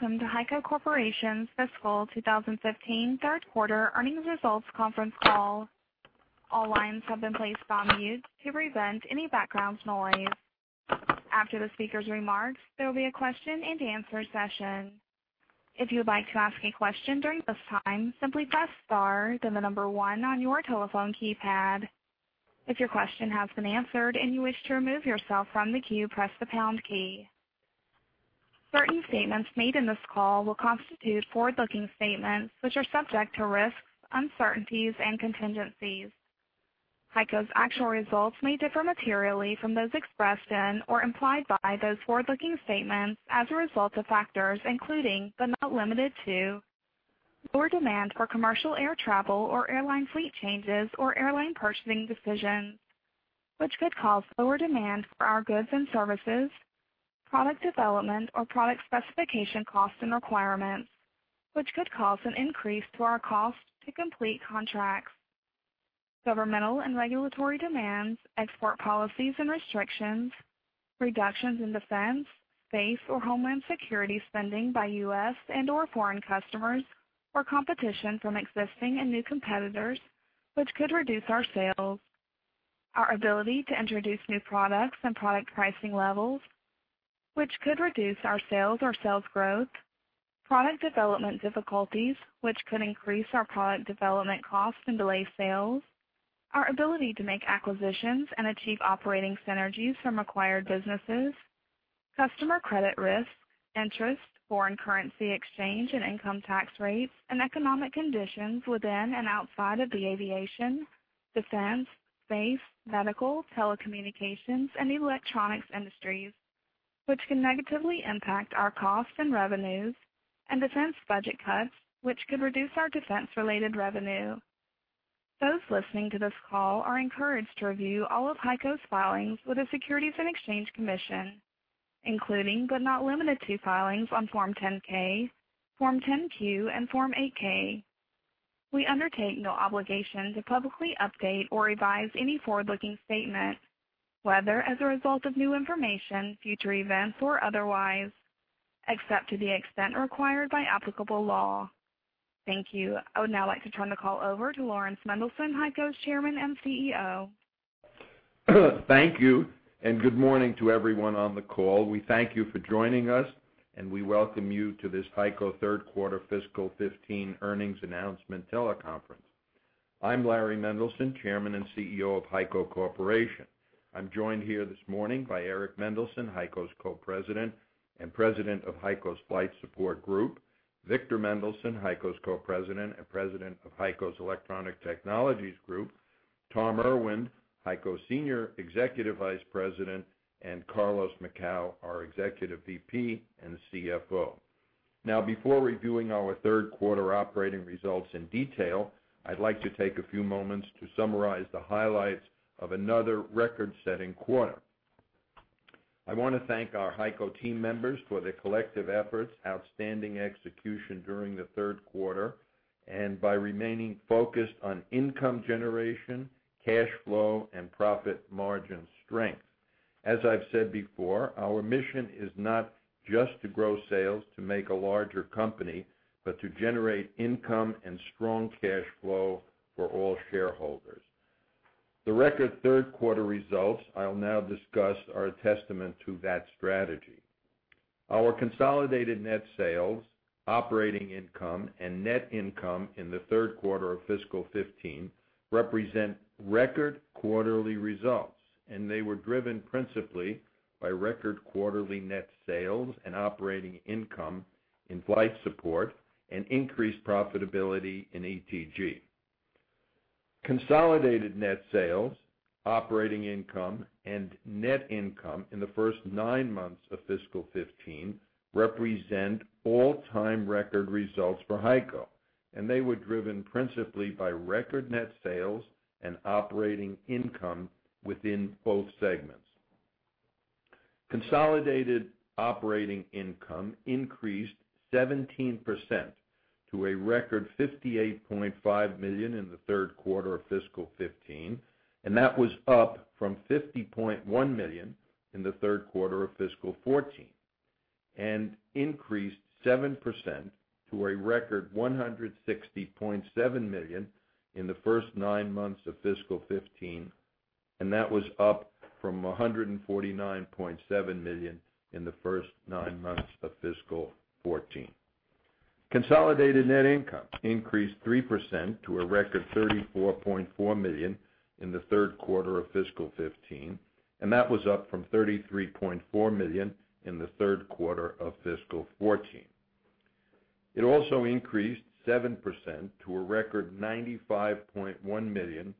Welcome to HEICO Corporation's Fiscal 2015 third quarter earnings results conference call. All lines have been placed on mute to prevent any background noise. After the speaker's remarks, there will be a question-and-answer session. If you would like to ask a question during this time, simply press star then the number one on your telephone keypad. If your question has been answered and you wish to remove yourself from the queue, press the pound key. Certain statements made in this call will constitute forward-looking statements which are subject to risks, uncertainties, and contingencies. HEICO's actual results may differ materially from those expressed in or implied by those forward-looking statements as a result of factors including, but not limited to, lower demand for commercial air travel or airline fleet changes or airline purchasing decisions, which could cause lower demand for our goods and services, product development or product specification costs and requirements, which could cause an increase to our cost to complete contracts. Governmental and regulatory demands, export policies and restrictions, reductions in defense, space or homeland security spending by U.S. and/or foreign customers or competition from existing and new competitors, which could reduce our sales. Our ability to introduce new products and product pricing levels, which could reduce our sales or sales growth. Product development difficulties, which could increase our product development costs and delay sales. Our ability to make acquisitions and achieve operating synergies from acquired businesses. Customer credit risk, interest, foreign currency exchange, and income tax rates, and economic conditions within and outside of the aviation, defense, space, medical, telecommunications, and electronics industries, which can negatively impact our costs and revenues, and defense budget cuts, which could reduce our defense-related revenue. Those listening to this call are encouraged to review all of HEICO's filings with the Securities and Exchange Commission, including, but not limited to, filings on Form 10-K, Form 10-Q, and Form 8-K. We undertake no obligation to publicly update or revise any forward-looking statements, whether as a result of new information, future events, or otherwise, except to the extent required by applicable law. Thank you. I would now like to turn the call over to Laurans Mendelson, HEICO's Chairman and CEO. Thank you. Good morning to everyone on the call. We thank you for joining us. We welcome you to this HEICO third quarter Fiscal 2015 earnings announcement teleconference. I'm Larry Mendelson, Chairman and CEO of HEICO Corporation. I'm joined here this morning by Eric Mendelson, HEICO's Co-President and President of HEICO's Flight Support Group; Victor Mendelson, HEICO's Co-President and President of HEICO's Electronic Technologies Group; Tom Irwin, HEICO's Senior Executive Vice President; and Carlos Macau, our Executive VP and CFO. Before reviewing our third quarter operating results in detail, I'd like to take a few moments to summarize the highlights of another record-setting quarter. I want to thank our HEICO team members for their collective efforts, outstanding execution during the third quarter, and by remaining focused on income generation, cash flow, and profit margin strength. As I've said before, our mission is not just to grow sales to make a larger company, but to generate income and strong cash flow for all shareholders. The record third-quarter results I'll now discuss are a testament to that strategy. Our consolidated net sales, operating income, and net income in the third quarter of fiscal 2015 represent record quarterly results. They were driven principally by record quarterly net sales and operating income in Flight Support and increased profitability in ETG. Consolidated net sales, operating income, and net income in the first nine months of fiscal 2015 represent all-time record results for HEICO. They were driven principally by record net sales and operating income within both segments. Consolidated operating income increased 17% to a record $58.5 million in the third quarter of fiscal 2015. That was up from $50.1 million in the third quarter of fiscal 2014. It increased 7% to a record $160.7 million in the first nine months of fiscal 2015. That was up from $149.7 million in the first nine months of fiscal 2014. Consolidated net income increased 3% to a record $34.4 million in the third quarter of fiscal 2015. That was up from $33.4 million in the third quarter of fiscal 2014. It also increased 7% to a record $95.1 million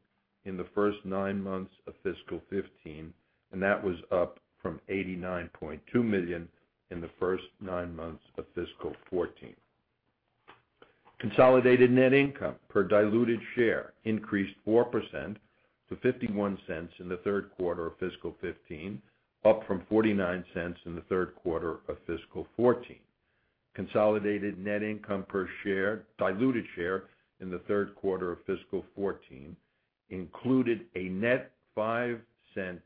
in the first nine months of fiscal 2015. That was up from $89.2 million in the first nine months of fiscal 2014. Consolidated net income per diluted share increased 4% to $0.51 in the third quarter of fiscal 2015, up from $0.49 in the third quarter of fiscal 2014. Consolidated net income per diluted share in the third quarter of fiscal 2014 included a net $0.05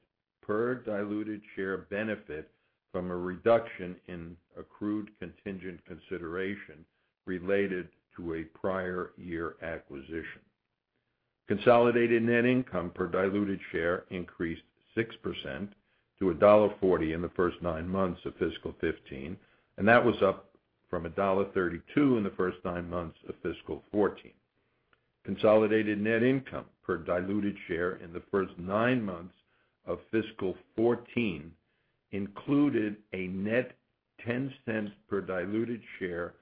per diluted share benefit from a reduction in accrued contingent consideration related to a prior year acquisition. Consolidated net income per diluted share increased 6% to $1.40 in the first nine months of fiscal 2015. That was up from $1.32 in the first nine months of fiscal 2014. Consolidated net income per diluted share in the first nine months of fiscal 2014 included a net $0.10 per diluted share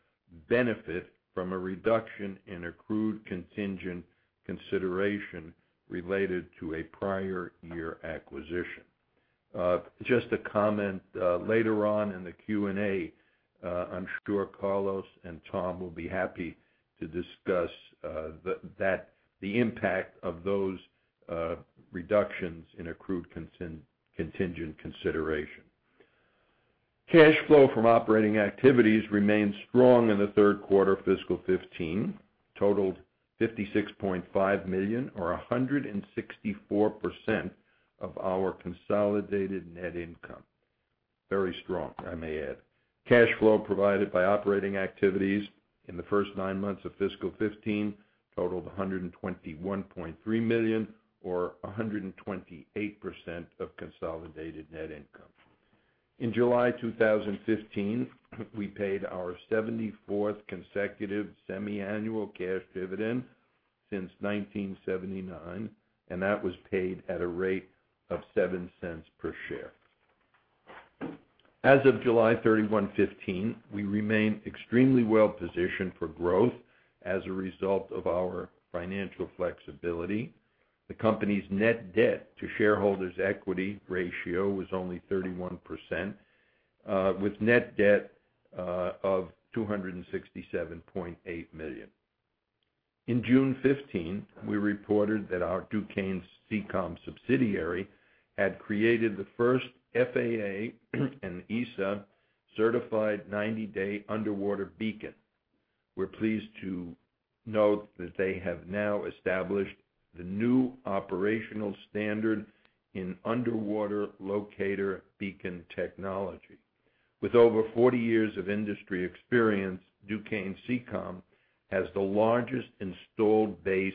benefit from a reduction in accrued contingent consideration related to a prior year acquisition. Just to comment, later on in the Q&A, I'm sure Carlos and Tom will be happy to discuss the impact of those reductions in accrued contingent consideration. Cash flow from operating activities remained strong in the third quarter of fiscal 2015, totaling $56.5 million or 164% of our consolidated net income. Very strong, I may add. Cash flow provided by operating activities in the first nine months of fiscal 2015 totaled $121.3 million or 128% of consolidated net income. In July 2015, we paid our 74th consecutive semiannual cash dividend since 1979. That was paid at a rate of $0.07 per share. As of July 31, 2015, we remain extremely well-positioned for growth as a result of our financial flexibility. The company's net debt to shareholders' equity ratio was only 31%, with net debt of $267.8 million. In June 2015, we reported that our Dukane Seacom subsidiary had created the first FAA and EASA-certified 90-day underwater beacon. We're pleased to note that they have now established the new operational standard in underwater locator beacon technology. With over 40 years of industry experience, Dukane Seacom has the largest installed base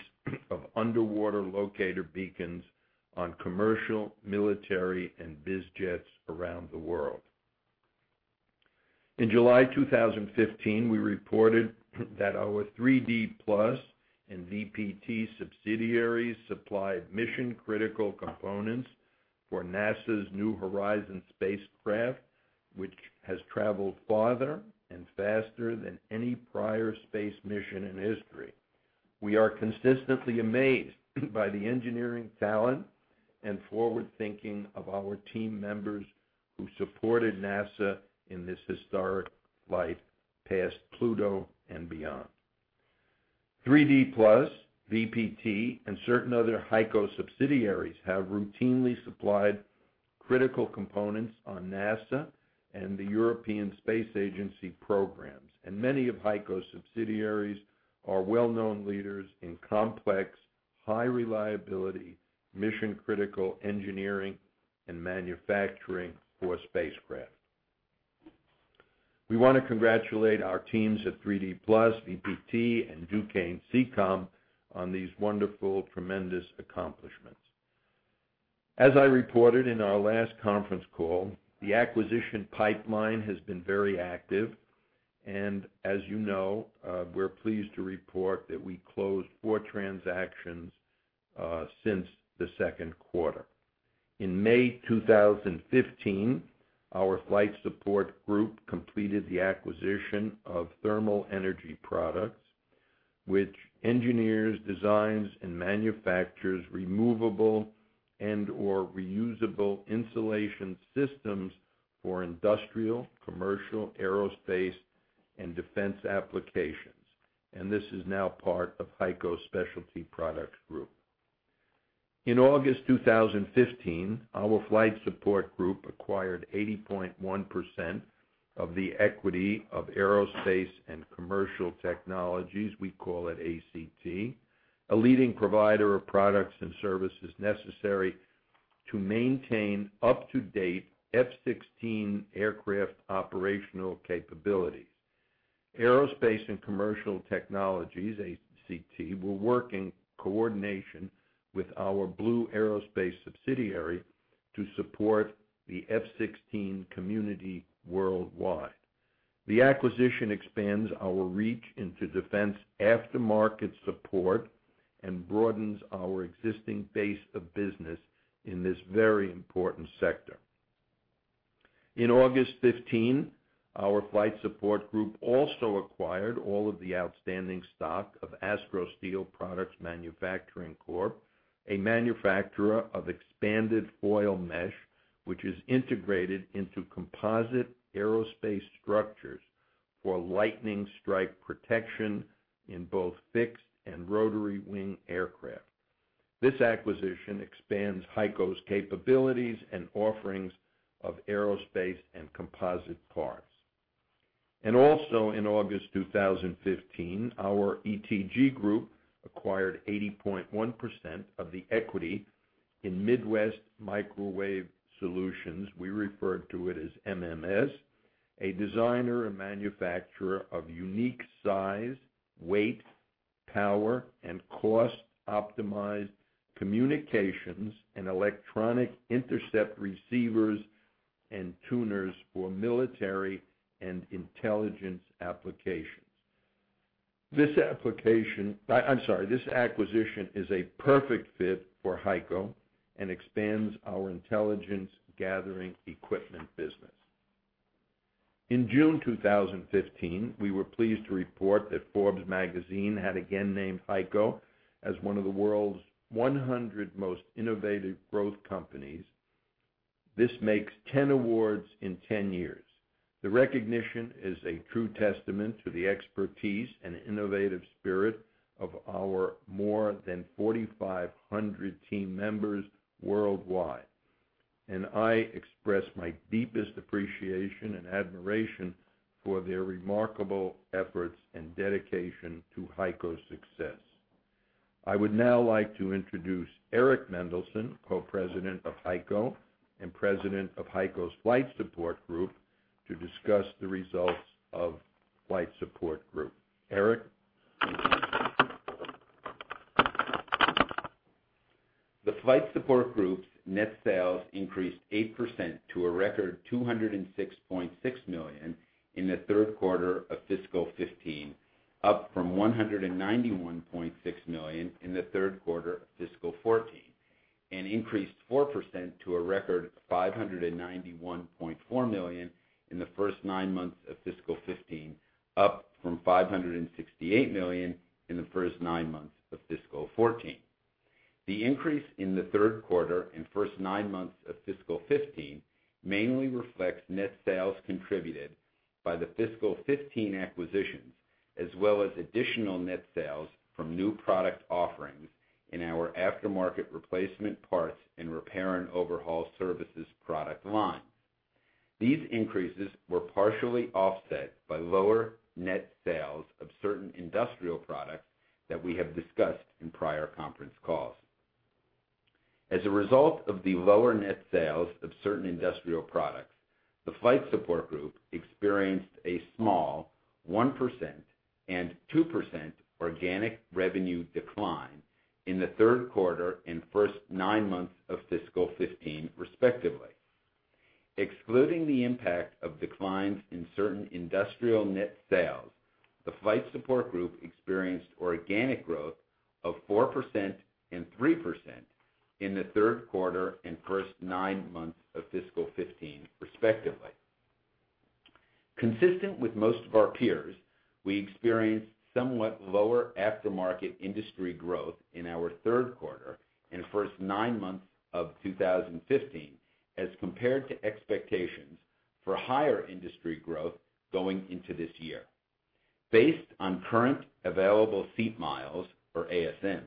of underwater locator beacons on commercial, military, and biz jets around the world. In July 2015, we reported that our 3D PLUS and VPT subsidiaries supplied mission-critical components for NASA's New Horizons spacecraft, which has traveled farther and faster than any prior space mission in history. We are consistently amazed by the engineering talent and forward-thinking of our team members who supported NASA in this historic flight past Pluto and beyond. 3D Plus, VPT, and certain other HEICO subsidiaries have routinely supplied critical components on NASA and the European Space Agency programs, and many of HEICO's subsidiaries are well-known leaders in complex, high-reliability, mission-critical engineering and manufacturing for spacecraft. We want to congratulate our teams at 3D Plus, VPT, and Dukane Seacom on these wonderful, tremendous accomplishments. As I reported in our last conference call, the acquisition pipeline has been very active. As you know, we're pleased to report that we closed four transactions since the second quarter. In May 2015, our Flight Support Group completed the acquisition of Thermal Energy Products, which engineers, designs, and manufactures removable and/or reusable insulation systems for industrial, commercial, aerospace, and defense applications. This is now part of HEICO's Specialty Products Group. In August 2015, our Flight Support Group acquired 80.1% of the equity of Aerospace & Commercial Technologies, we call it ACT, a leading provider of products and services necessary to maintain up-to-date F-16 aircraft operational capabilities. Aerospace & Commercial Technologies, ACT, will work in coordination with our Blue Aerospace subsidiary to support the F-16 community worldwide. The acquisition expands our reach into defense aftermarket support and broadens our existing base of business in this very important sector. In August 2015, our Flight Support Group also acquired all of the outstanding stock of Astroseal Products Manufacturing Corp., a manufacturer of expanded foil mesh, which is integrated into composite aerospace structures for lightning strike protection in both fixed and rotary wing aircraft. This acquisition expands HEICO's capabilities and offerings of aerospace and composite parts. Also in August 2015, our ETG Group acquired 80.1% of the equity in Midwest Microwave Solutions, we refer to it as MMS, a designer and manufacturer of unique size, weight, power, and cost-optimized communications and electronic intercept receivers and tuners for military and intelligence applications. This acquisition is a perfect fit for HEICO and expands our intelligence gathering equipment business. In June 2015, we were pleased to report that Forbes Magazine had again named HEICO as one of the world's 100 most innovative growth companies. This makes 10 awards in 10 years. The recognition is a true testament to the expertise and innovative spirit of our more than 4,500 team members worldwide. I express my deepest appreciation and admiration for their remarkable efforts and dedication to HEICO's success. I would now like to introduce Eric Mendelson, Co-President of HEICO and President of HEICO's Flight Support Group, to discuss the results of Flight Support Group. Eric? The Flight Support Group's net sales increased 8% to a record $206.6 million in the third quarter of fiscal 2015, up from $191.6 million in the third quarter of fiscal 2014, and increased 4% to a record $591.4 million in the first nine months of fiscal 2015, up from $568 million in the first nine months of fiscal 2014. The increase in the third quarter and first nine months of fiscal 2015 mainly reflects net sales contributed by the fiscal 2015 acquisitions, as well as additional net sales from new product offerings in our aftermarket replacement parts and repair and overhaul services product line. These increases were partially offset by lower net sales of certain industrial products that we have discussed in prior conference calls. As a result of the lower net sales of certain industrial products, the Flight Support Group experienced a small 1% and 2% organic revenue decline in the third quarter and first nine months of fiscal 2015, respectively. Excluding the impact of declines in certain industrial net sales, the Flight Support Group experienced organic growth of 4% and 3% in the third quarter and first nine months of fiscal 2015, respectively. Consistent with most of our peers, we experienced somewhat lower aftermarket industry growth in our third quarter and first nine months of 2015 as compared to expectations for higher industry growth going into this year. Based on current available seat miles, or ASMs,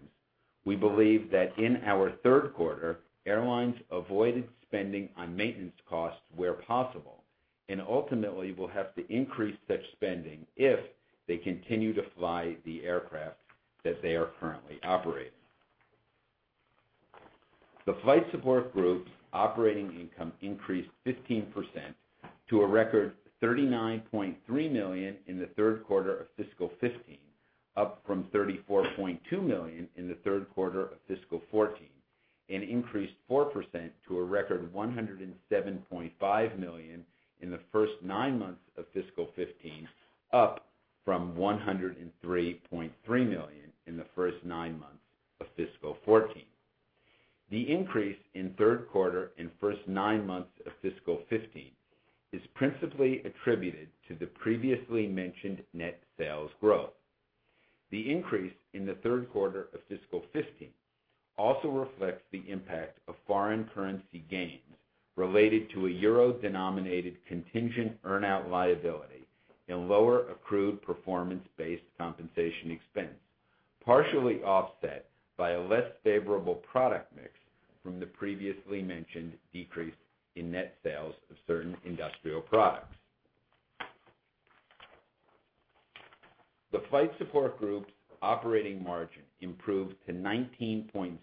we believe that in our third quarter, airlines avoided spending on maintenance costs where possible, and ultimately will have to increase such spending if they continue to fly the aircraft that they are currently operating. The Flight Support Group's operating income increased 15% to a record $39.3 million in the third quarter of fiscal 2015, up from $34.2 million in the third quarter of fiscal 2014, and increased 4% to a record $107.5 million in the first nine months of fiscal 2015, up from $103.3 million in the first nine months of fiscal 2014. The increase in third quarter and first nine months of fiscal 2015 is principally attributed to the previously mentioned net sales growth. The increase in the third quarter of fiscal 2015 also reflects the impact of foreign currency gains related to a euro-denominated contingent earn out liability and lower accrued performance-based compensation expense, partially offset by a less favorable product mix from the previously mentioned decrease in net sales of certain industrial products. The Flight Support Group's operating margin improved to 19.0%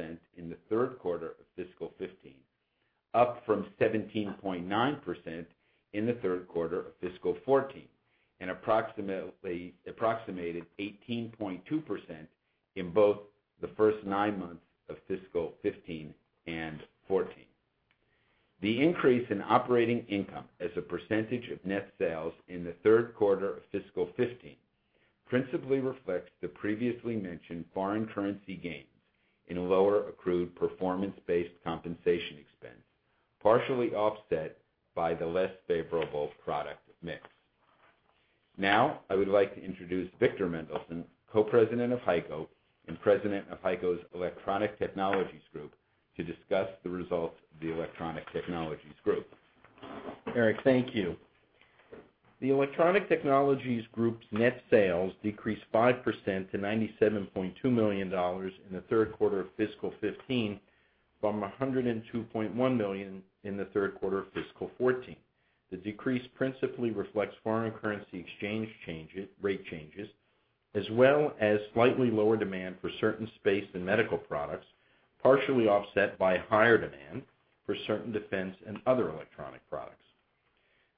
in the third quarter of fiscal 2015, up from 17.9% in the third quarter of fiscal 2014, and approximated 18.2% in both the first nine months of fiscal 2015 and 2014. The increase in operating income as a percentage of net sales in the third quarter of fiscal 2015 principally reflects the previously mentioned foreign currency gains in lower accrued performance-based compensation expense, partially offset by the less favorable product mix. I would like to introduce Victor Mendelson, Co-President of HEICO and President of HEICO's Electronic Technologies Group, to discuss the results of the Electronic Technologies Group. Eric, thank you. The Electronic Technologies Group's net sales decreased 5% to $97.2 million in the third quarter of fiscal 2015 from $102.1 million in the third quarter of fiscal 2014. The decrease principally reflects foreign currency exchange rate changes, as well as slightly lower demand for certain space and medical products, partially offset by higher demand for certain defense and other electronic products.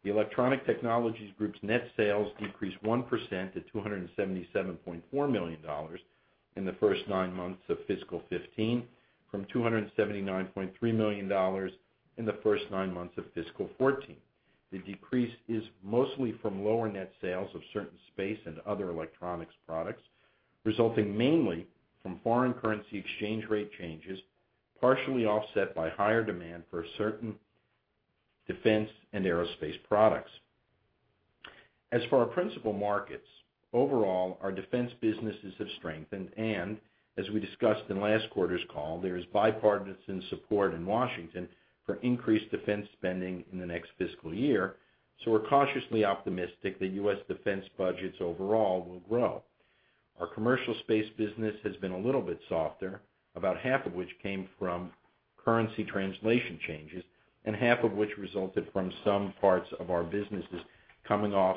The Electronic Technologies Group's net sales decreased 1% to $277.4 million in the first nine months of fiscal 2015, from $279.3 million in the first nine months of fiscal 2014. The decrease is mostly from lower net sales of certain space and other electronics products, resulting mainly from foreign currency exchange rate changes, partially offset by higher demand for certain defense and aerospace products. As for our principal markets, overall, our defense businesses have strengthened. As we discussed in last quarter's call, there is bipartisan support in Washington for increased defense spending in the next fiscal year. We're cautiously optimistic that U.S. defense budgets overall will grow. Our commercial space business has been a little bit softer, about half of which came from currency translation changes, and half of which resulted from some parts of our businesses coming off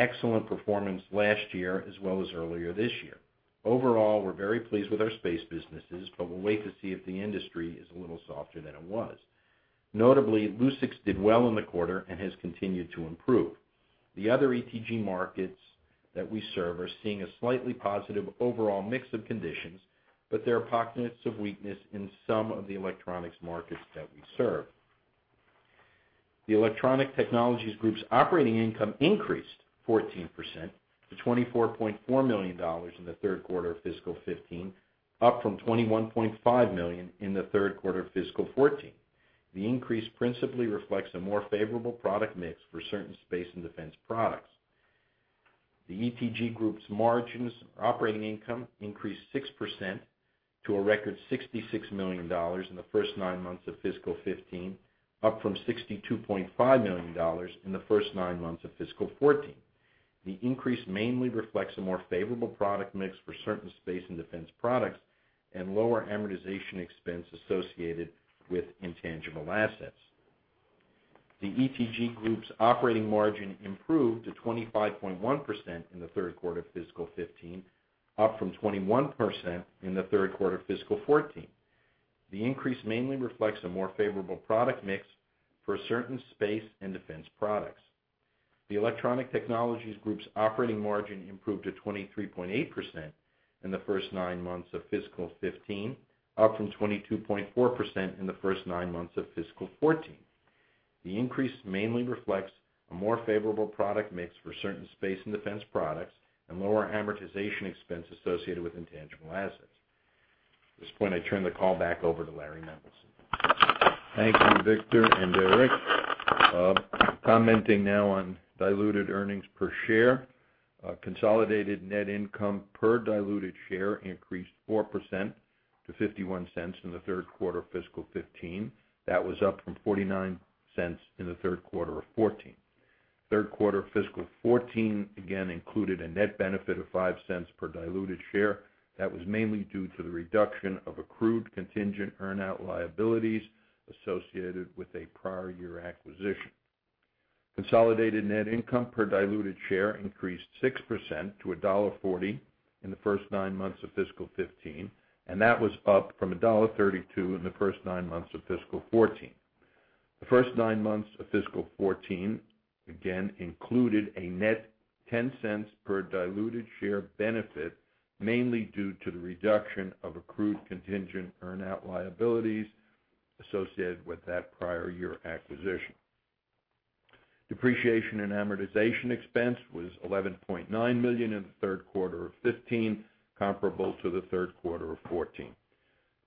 excellent performance last year, as well as earlier this year. Overall, we're very pleased with our space businesses. We'll wait to see if the industry is a little softer than it was. Notably, Lucix did well in the quarter and has continued to improve. The other ETG markets that we serve are seeing a slightly positive overall mix of conditions. There are pockets of weakness in some of the electronics markets that we serve. The Electronic Technologies Group's operating income increased 14% to $24.4 million in the third quarter of fiscal 2015, up from $21.5 million in the third quarter of fiscal 2014. The increase principally reflects a more favorable product mix for certain space and defense products. The ETG Group's margins operating income increased 6% to a record $66 million in the first nine months of fiscal 2015, up from $62.5 million in the first nine months of fiscal 2014. The increase mainly reflects a more favorable product mix for certain space and defense products and lower amortization expense associated with intangible assets. The ETG Group's operating margin improved to 25.1% in the third quarter of fiscal 2015, up from 21% in the third quarter of fiscal 2014. The increase mainly reflects a more favorable product mix for certain space and defense products. The Electronic Technologies Group's operating margin improved to 23.8% in the first nine months of fiscal 2015, up from 22.4% in the first nine months of fiscal 2014. The increase mainly reflects a more favorable product mix for certain space and defense products and lower amortization expense associated with intangible assets. At this point, I turn the call back over to Laurans Mendelson. Thank you, Victor and Eric. Commenting now on diluted earnings per share. Consolidated net income per diluted share increased 4% to $0.51 in the third quarter of fiscal 2015. That was up from $0.49 in the third quarter of 2014. Third quarter of fiscal 2014 again included a net benefit of $0.05 per diluted share. That was mainly due to the reduction of accrued contingent earn-out liabilities associated with a prior year acquisition. Consolidated net income per diluted share increased 6% to $1.40 in the first nine months of fiscal 2015, and that was up from $1.32 in the first nine months of fiscal 2014. The first nine months of fiscal 2014, again, included a net $0.10 per diluted share benefit, mainly due to the reduction of accrued contingent earn-out liabilities associated with that prior year acquisition. Depreciation and amortization expense was $11.9 million in the third quarter of 2015, comparable to the third quarter of 2014.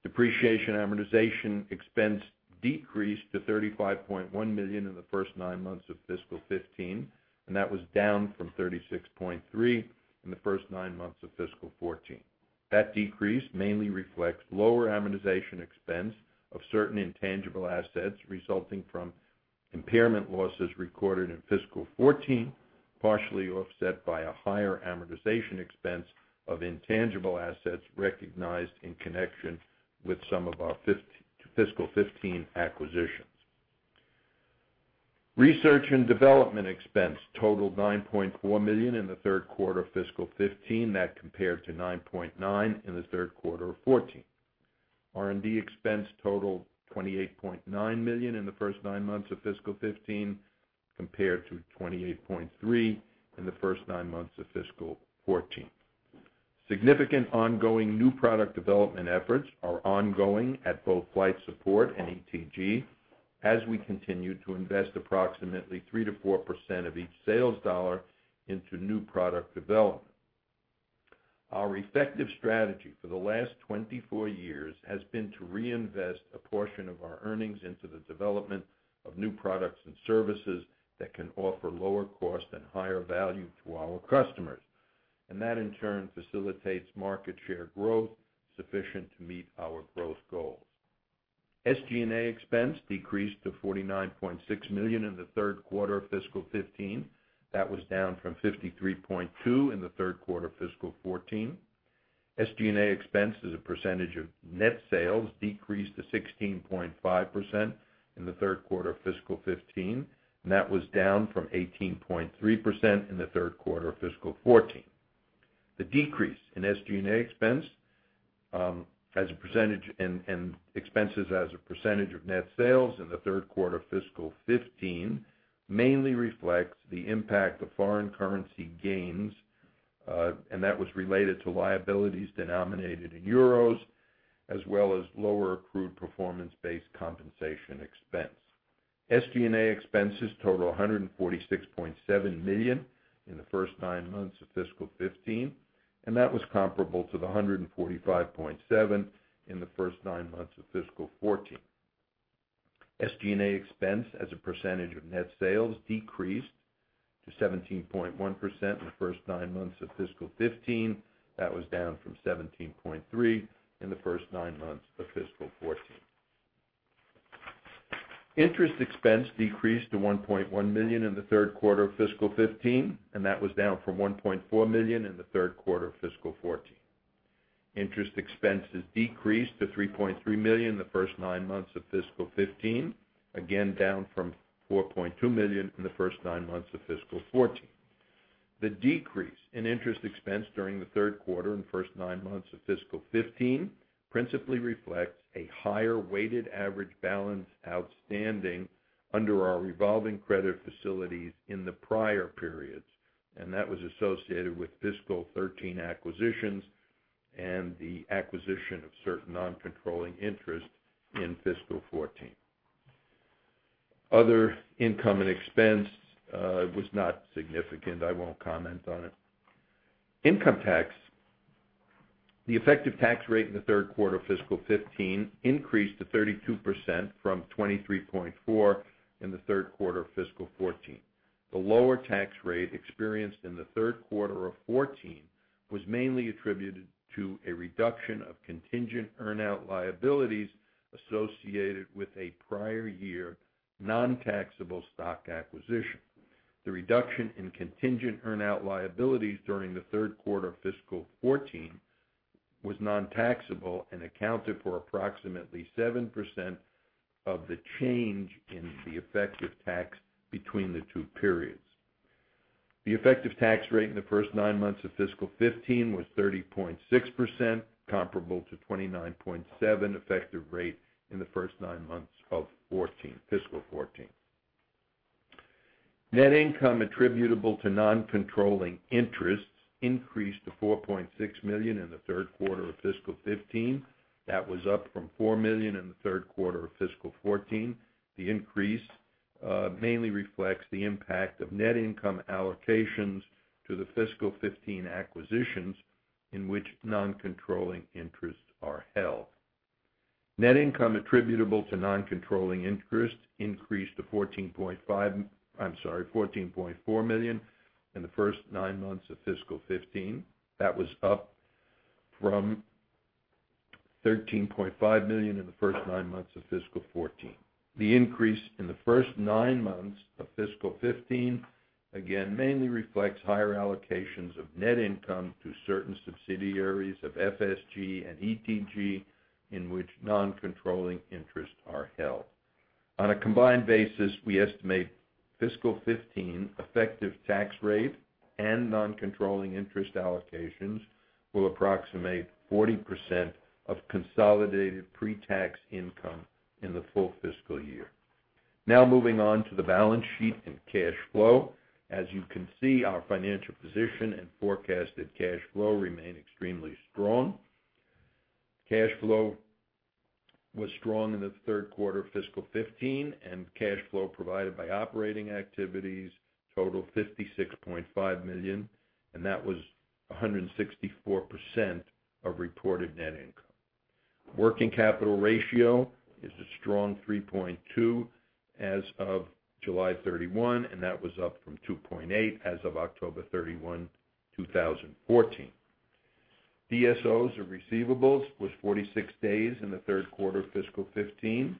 Depreciation amortization expense decreased to $35.1 million in the first nine months of fiscal 2015, and that was down from $36.3 million in the first nine months of fiscal 2014. That decrease mainly reflects lower amortization expense of certain intangible assets resulting from impairment losses recorded in fiscal 2014, partially offset by a higher amortization expense of intangible assets recognized in connection with some of our fiscal 2015 acquisitions. Research and development expense totaled $9.4 million in the third quarter of fiscal 2015. That compared to $9.9 million in the third quarter of 2014. R&D expense totaled $28.9 million in the first nine months of fiscal 2015, compared to $28.3 million in the first nine months of fiscal 2014. Significant ongoing new product development efforts are ongoing at both Flight Support and ETG as we continue to invest approximately 3%-4% of each sales dollar into new product development. Our effective strategy for the last 24 years has been to reinvest a portion of our earnings into the development of new products and services that can offer lower cost and higher value to our customers. That, in turn, facilitates market share growth sufficient to meet our growth goals. SG&A expense decreased to $49.6 million in the third quarter of fiscal 2015. That was down from $53.2 million in the third quarter of fiscal 2014. SG&A expense as a percentage of net sales decreased to 16.5% in the third quarter of fiscal 2015, and that was down from 18.3% in the third quarter of fiscal 2014. The decrease in SG&A expense as a percentage and expenses as a percentage of net sales in the third quarter of fiscal 2015 mainly reflects the impact of foreign currency gains, and that was related to liabilities denominated in EUR as well as lower accrued performance-based compensation expense. SG&A expenses total $146.7 million in the first nine months of fiscal 2015, and that was comparable to the $145.7 million in the first nine months of fiscal 2014. SG&A expense as a percentage of net sales decreased to 17.1% in the first nine months of fiscal 2015. That was down from 17.3% in the first nine months of fiscal 2014. Interest expense decreased to $1.1 million in the third quarter of fiscal 2015, and that was down from $1.4 million in the third quarter of fiscal 2014. Interest expenses decreased to $3.3 million in the first nine months of fiscal 2015, again down from $4.2 million in the first nine months of fiscal 2014. The decrease in interest expense during the third quarter and first nine months of fiscal 2015 principally reflects a higher weighted average balance outstanding under our revolving credit facilities in the prior periods, and that was associated with fiscal 2013 acquisitions and the acquisition of certain non-controlling interests in fiscal 2014. Other income and expense was not significant. I won't comment on it. Income tax. The effective tax rate in the third quarter of fiscal 2015 increased to 32% from 23.4% in the third quarter of fiscal 2014. The lower tax rate experienced in the third quarter of 2014 was mainly attributed to a reduction of contingent earn-out liabilities associated with a prior year non-taxable stock acquisition. The reduction in contingent earn-out liabilities during the third quarter of fiscal 2014 was non-taxable and accounted for approximately 7% of the change in the effective tax between the two periods. The effective tax rate in the first nine months of fiscal 2015 was 30.6%, comparable to 29.7% effective rate in the first nine months of fiscal 2014. Net income attributable to non-controlling interests increased to $4.6 million in the third quarter of fiscal 2015. That was up from $4 million in the third quarter of fiscal 2014. The increase mainly reflects the impact of net income allocations to the fiscal 2015 acquisitions in which non-controlling interests are held. Net income attributable to non-controlling interests increased to $14.4 million in the first nine months of fiscal 2015. That was up from $13.5 million in the first nine months of fiscal 2014. The increase in the first nine months of fiscal 2015, again, mainly reflects higher allocations of net income to certain subsidiaries of FSG and ETG in which non-controlling interests are held. On a combined basis, we estimate fiscal 2015 effective tax rate and non-controlling interest allocations will approximate 40% of consolidated pre-tax income in the full fiscal year. Now moving on to the balance sheet and cash flow. As you can see, our financial position and forecasted cash flow remain extremely strong. Cash flow was strong in the third quarter of fiscal 2015, and cash flow provided by operating activities totaled $56.5 million, and that was 164% of reported net income. Working capital ratio is a strong 3.2 as of July 31, and that was up from 2.8 as of October 31, 2014. DSOs or receivables was 46 days in the third quarter of fiscal 2015.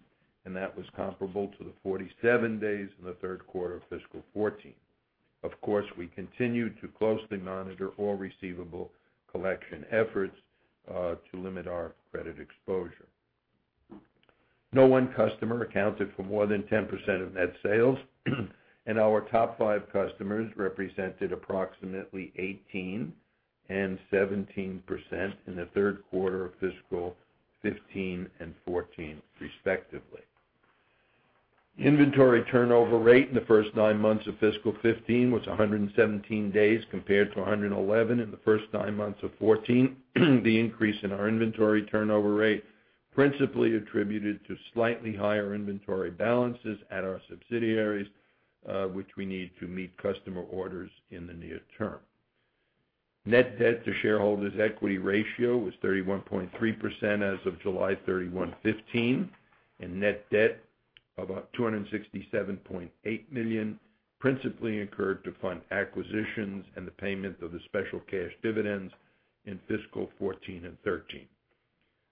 That was comparable to the 47 days in the third quarter of fiscal 2014. Of course, we continue to closely monitor all receivable collection efforts to limit our credit exposure. No one customer accounted for more than 10% of net sales. Our top five customers represented approximately 18% and 17% in the third quarter of fiscal 2015 and 2014, respectively. Inventory turnover rate in the first nine months of fiscal 2015 was 117 days compared to 111 in the first nine months of 2014. The increase in our inventory turnover rate principally attributed to slightly higher inventory balances at our subsidiaries, which we need to meet customer orders in the near term. Net debt to shareholders' equity ratio was 31.3% as of July 31, 2015. Net debt of $267.8 million principally incurred to fund acquisitions and the payment of the special cash dividends in fiscal 2014 and 2013.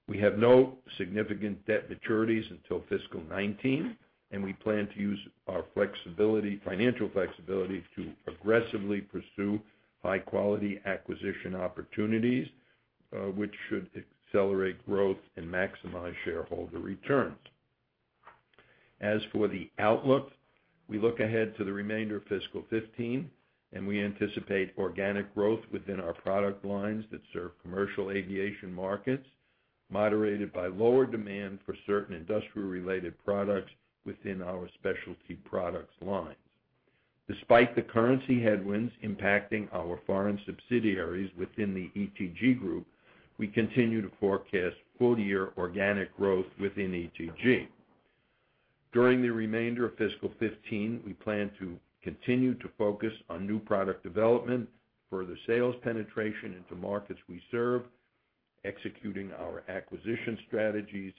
We have no significant debt maturities until fiscal 2019. We plan to use our financial flexibility to aggressively pursue high-quality acquisition opportunities, which should accelerate growth and maximize shareholder returns. As for the outlook, we look ahead to the remainder of fiscal 2015. We anticipate organic growth within our product lines that serve commercial aviation markets, moderated by lower demand for certain industrial-related products within our Specialty Products Group lines. Despite the currency headwinds impacting our foreign subsidiaries within the ETG, we continue to forecast full-year organic growth within ETG. During the remainder of fiscal 2015, we plan to continue to focus on new product development, further sales penetration into markets we serve, executing our acquisition strategies,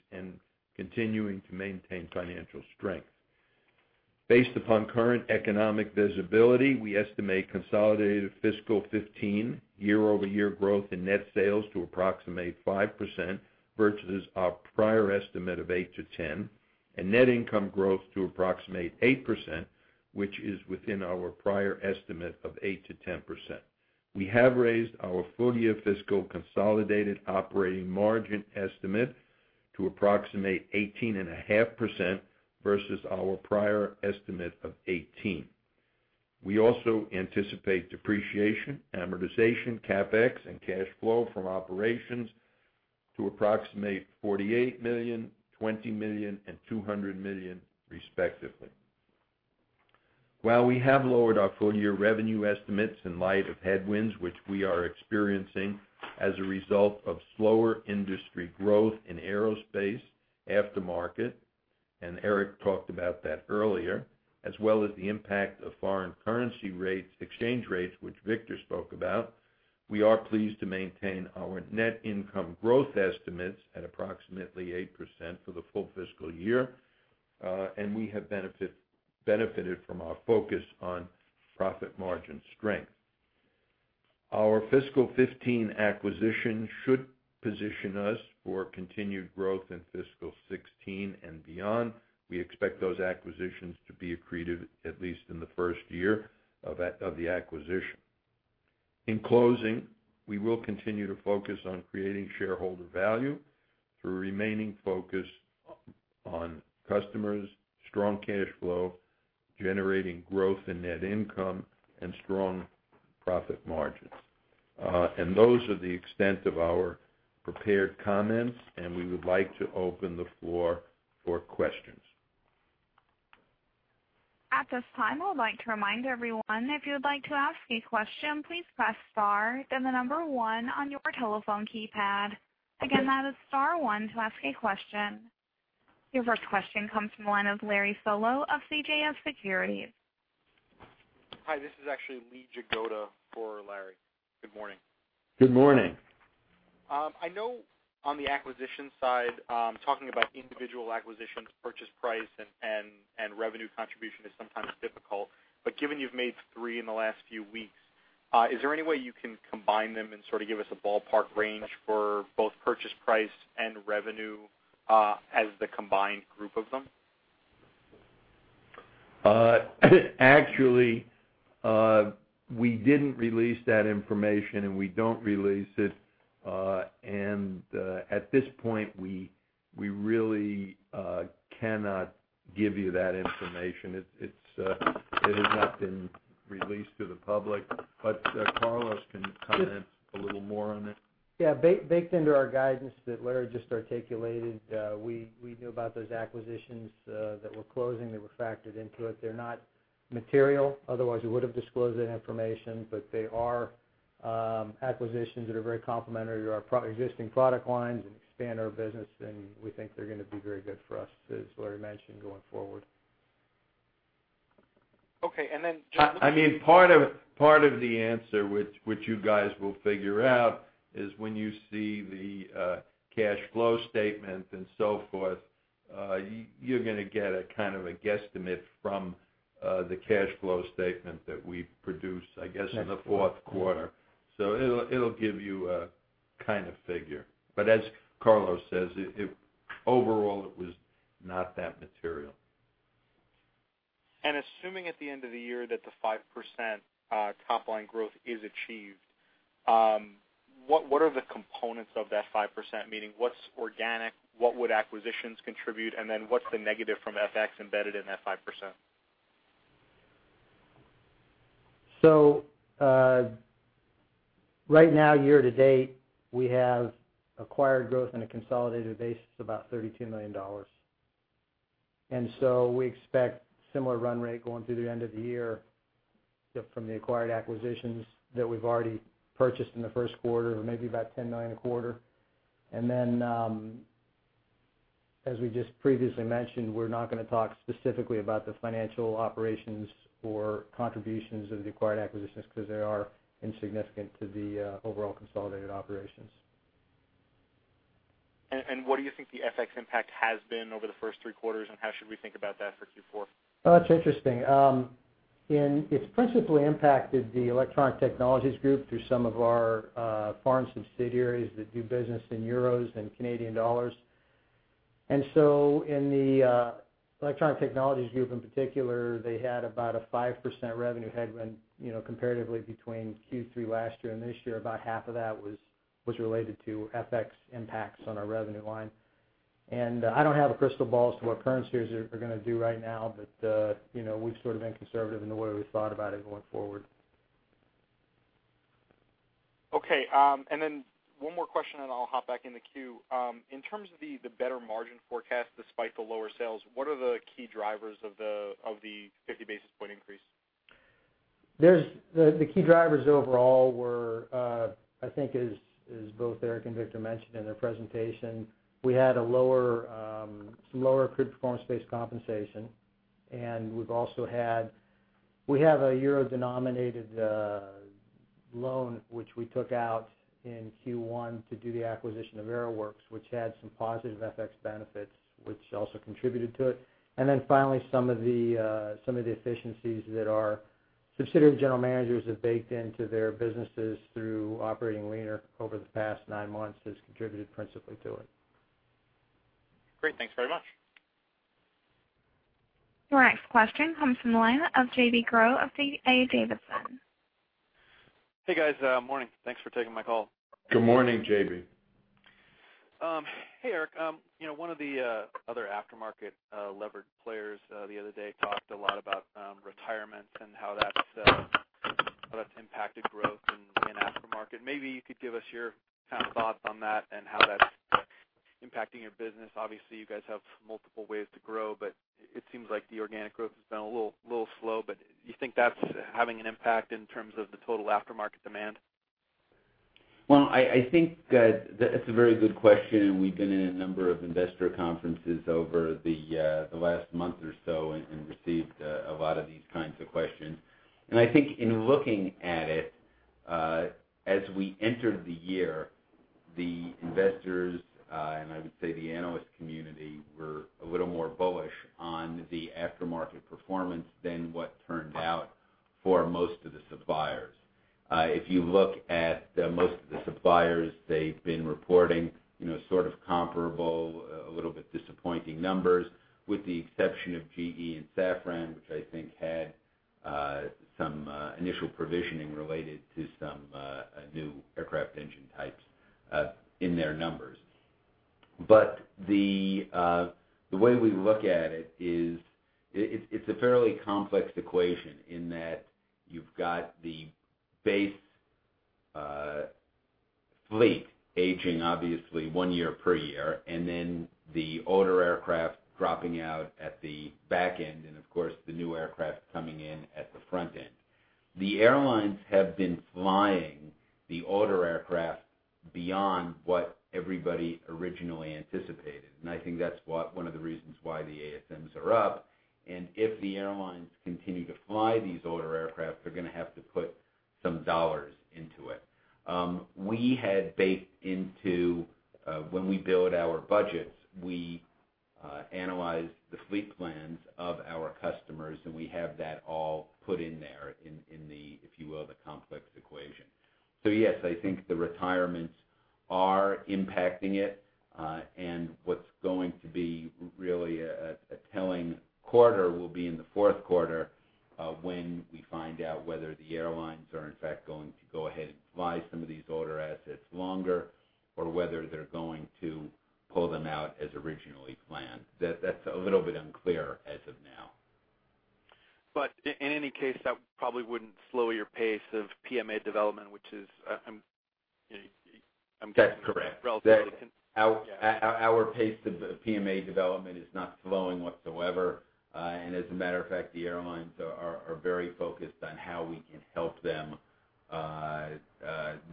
continuing to maintain financial strength. Based upon current economic visibility, we estimate consolidated fiscal 2015 year-over-year growth in net sales to approximate 5%, versus our prior estimate of 8%-10%. Net income growth to approximate 8%, which is within our prior estimate of 8%-10%. We have raised our full-year fiscal consolidated operating margin estimate to approximate 18.5% versus our prior estimate of 18%. We also anticipate depreciation, amortization, CapEx, and cash flow from operations to approximate $48 million, $20 million, and $200 million, respectively. While we have lowered our full-year revenue estimates in light of headwinds which we are experiencing as a result of slower industry growth in aerospace aftermarket, Eric talked about that earlier, as well as the impact of foreign currency exchange rates, which Victor spoke about, we are pleased to maintain our net income growth estimates at approximately 8% for the full fiscal year. We have benefited from our focus on profit margin strength. Our fiscal 2015 acquisition should position us for continued growth in fiscal 2016 and beyond. We expect those acquisitions to be accretive at least in the first year of the acquisition. In closing, we will continue to focus on creating shareholder value through remaining focused on customers, strong cash flow, generating growth in net income, and strong profit margins. Those are the extent of our prepared comments, and we would like to open the floor for questions. At this time, I would like to remind everyone, if you would like to ask a question, please press star, then the number 1 on your telephone keypad. Again, that is star 1 to ask a question. Your first question comes from the line of Larry Solow of CJS Securities. Hi, this is actually Lee Jagoda for Larry. Good morning. Good morning. I know on the acquisition side, talking about individual acquisitions, purchase price, and revenue contribution is sometimes difficult, but given you've made three in the last few weeks, is there any way you can combine them and sort of give us a ballpark range for both purchase price and revenue as the combined group of them? Actually, we didn't release that information, and we don't release it. At this point, we really cannot give you that information. It has not been released to the public. Carlos can comment a little more on it. Yeah. Baked into our guidance that Larry just articulated, we knew about those acquisitions that were closing. They were factored into it. They're not material, otherwise we would've disclosed that information. They are acquisitions that are very complementary to our existing product lines and expand our business, and we think they're going to be very good for us, as Larry mentioned, going forward. Okay. Part of the answer, which you guys will figure out, is when you see the cash flow statement and so forth. You're going to get a kind of a guesstimate from the cash flow statement that we produce, I guess, in the fourth quarter. It'll give you a kind of figure. As Carlos says, overall it was not that material. Assuming at the end of the year that the 5% top-line growth is achieved, what are the components of that 5%? Meaning, what's organic? What would acquisitions contribute? What's the negative from FX embedded in that 5%? Right now, year-to-date, we have acquired growth on a consolidated basis of about $32 million. We expect similar run rate going through the end of the year from the acquired acquisitions that we've already purchased in the first quarter of maybe about $10 million a quarter. As we just previously mentioned, we're not going to talk specifically about the financial operations or contributions of the acquired acquisitions because they are insignificant to the overall consolidated operations. What do you think the FX impact has been over the first three quarters, and how should we think about that for Q4? It's interesting. It's principally impacted the Electronic Technologies Group through some of our foreign subsidiaries that do business in euros and Canadian dollars. So in the Electronic Technologies Group in particular, they had about a 5% revenue headwind, comparatively between Q3 last year and this year. About half of that was related to FX impacts on our revenue line. I don't have a crystal ball as to what currencies are going to do right now, but we've sort of been conservative in the way we've thought about it going forward. Okay. Then one more question and I'll hop back in the queue. In terms of the better margin forecast despite the lower sales, what are the key drivers of the 50 basis point increase? The key drivers overall were, I think as both Eric and Victor mentioned in their presentation, we had some lower accrued performance-based compensation, and we have a euro-denominated loan, which we took out in Q1 to do the acquisition of Aeroworks, which had some positive FX benefits, which also contributed to it. Finally, some of the efficiencies that our subsidiary general managers have baked into their businesses through operating leaner over the past nine months has contributed principally to it. Great. Thanks very much. Your next question comes from the line of J.B. Groh of D.A. Davidson. Hey, guys. Morning. Thanks for taking my call. Good morning, J.B. Hey, Eric. One of the other aftermarket levered players the other day talked a lot about retirements and how that's impacted growth in the aftermarket. Maybe you could give us your thoughts on that and how that's impacting your business. Obviously, you guys have multiple ways to grow, it seems like the organic growth has been a little slow, you think that's having an impact in terms of the total aftermarket demand? Well, I think that's a very good question, we've been in a number of investor conferences over the last month or so and received a lot of these kinds of questions. I think in looking at it, as we entered the year, the investors, and I would say the analyst community, were a little more bullish on the aftermarket performance than what turned out for most of the suppliers. If you look at most of the suppliers, they've been reporting sort of comparable, a little bit disappointing numbers, with the exception of GE and Safran, which I think had some initial provisioning related to some new aircraft engine types in their numbers. The way we look at it is, it's a fairly complex equation in that you've got the base fleet aging, obviously one year per year, and then the older aircraft dropping out at the back end and of course, the new aircraft coming in at the front end. The airlines have been flying the older aircraft beyond what everybody originally anticipated, I think that's one of the reasons why the ASMs are up. If the airlines continue to fly these older aircraft, they're going to have to put some dollars into it. We had baked into, when we build our budgets, we analyze the fleet plans of our customers, we have that all put in there in the, if you will, the complex equation. Yes, I think the retirements are impacting it. What's going to be really a telling quarter will be in the fourth quarter, when we find out whether the airlines are in fact going to go ahead and fly some of these older assets longer or whether they're going to pull them out as originally planned. That's a little bit unclear as of now. That probably wouldn't slow your pace of PMA development, which is, I'm- That's correct. Yeah. Our pace of PMA development is not slowing whatsoever. As a matter of fact, the airlines are very focused on how we can help them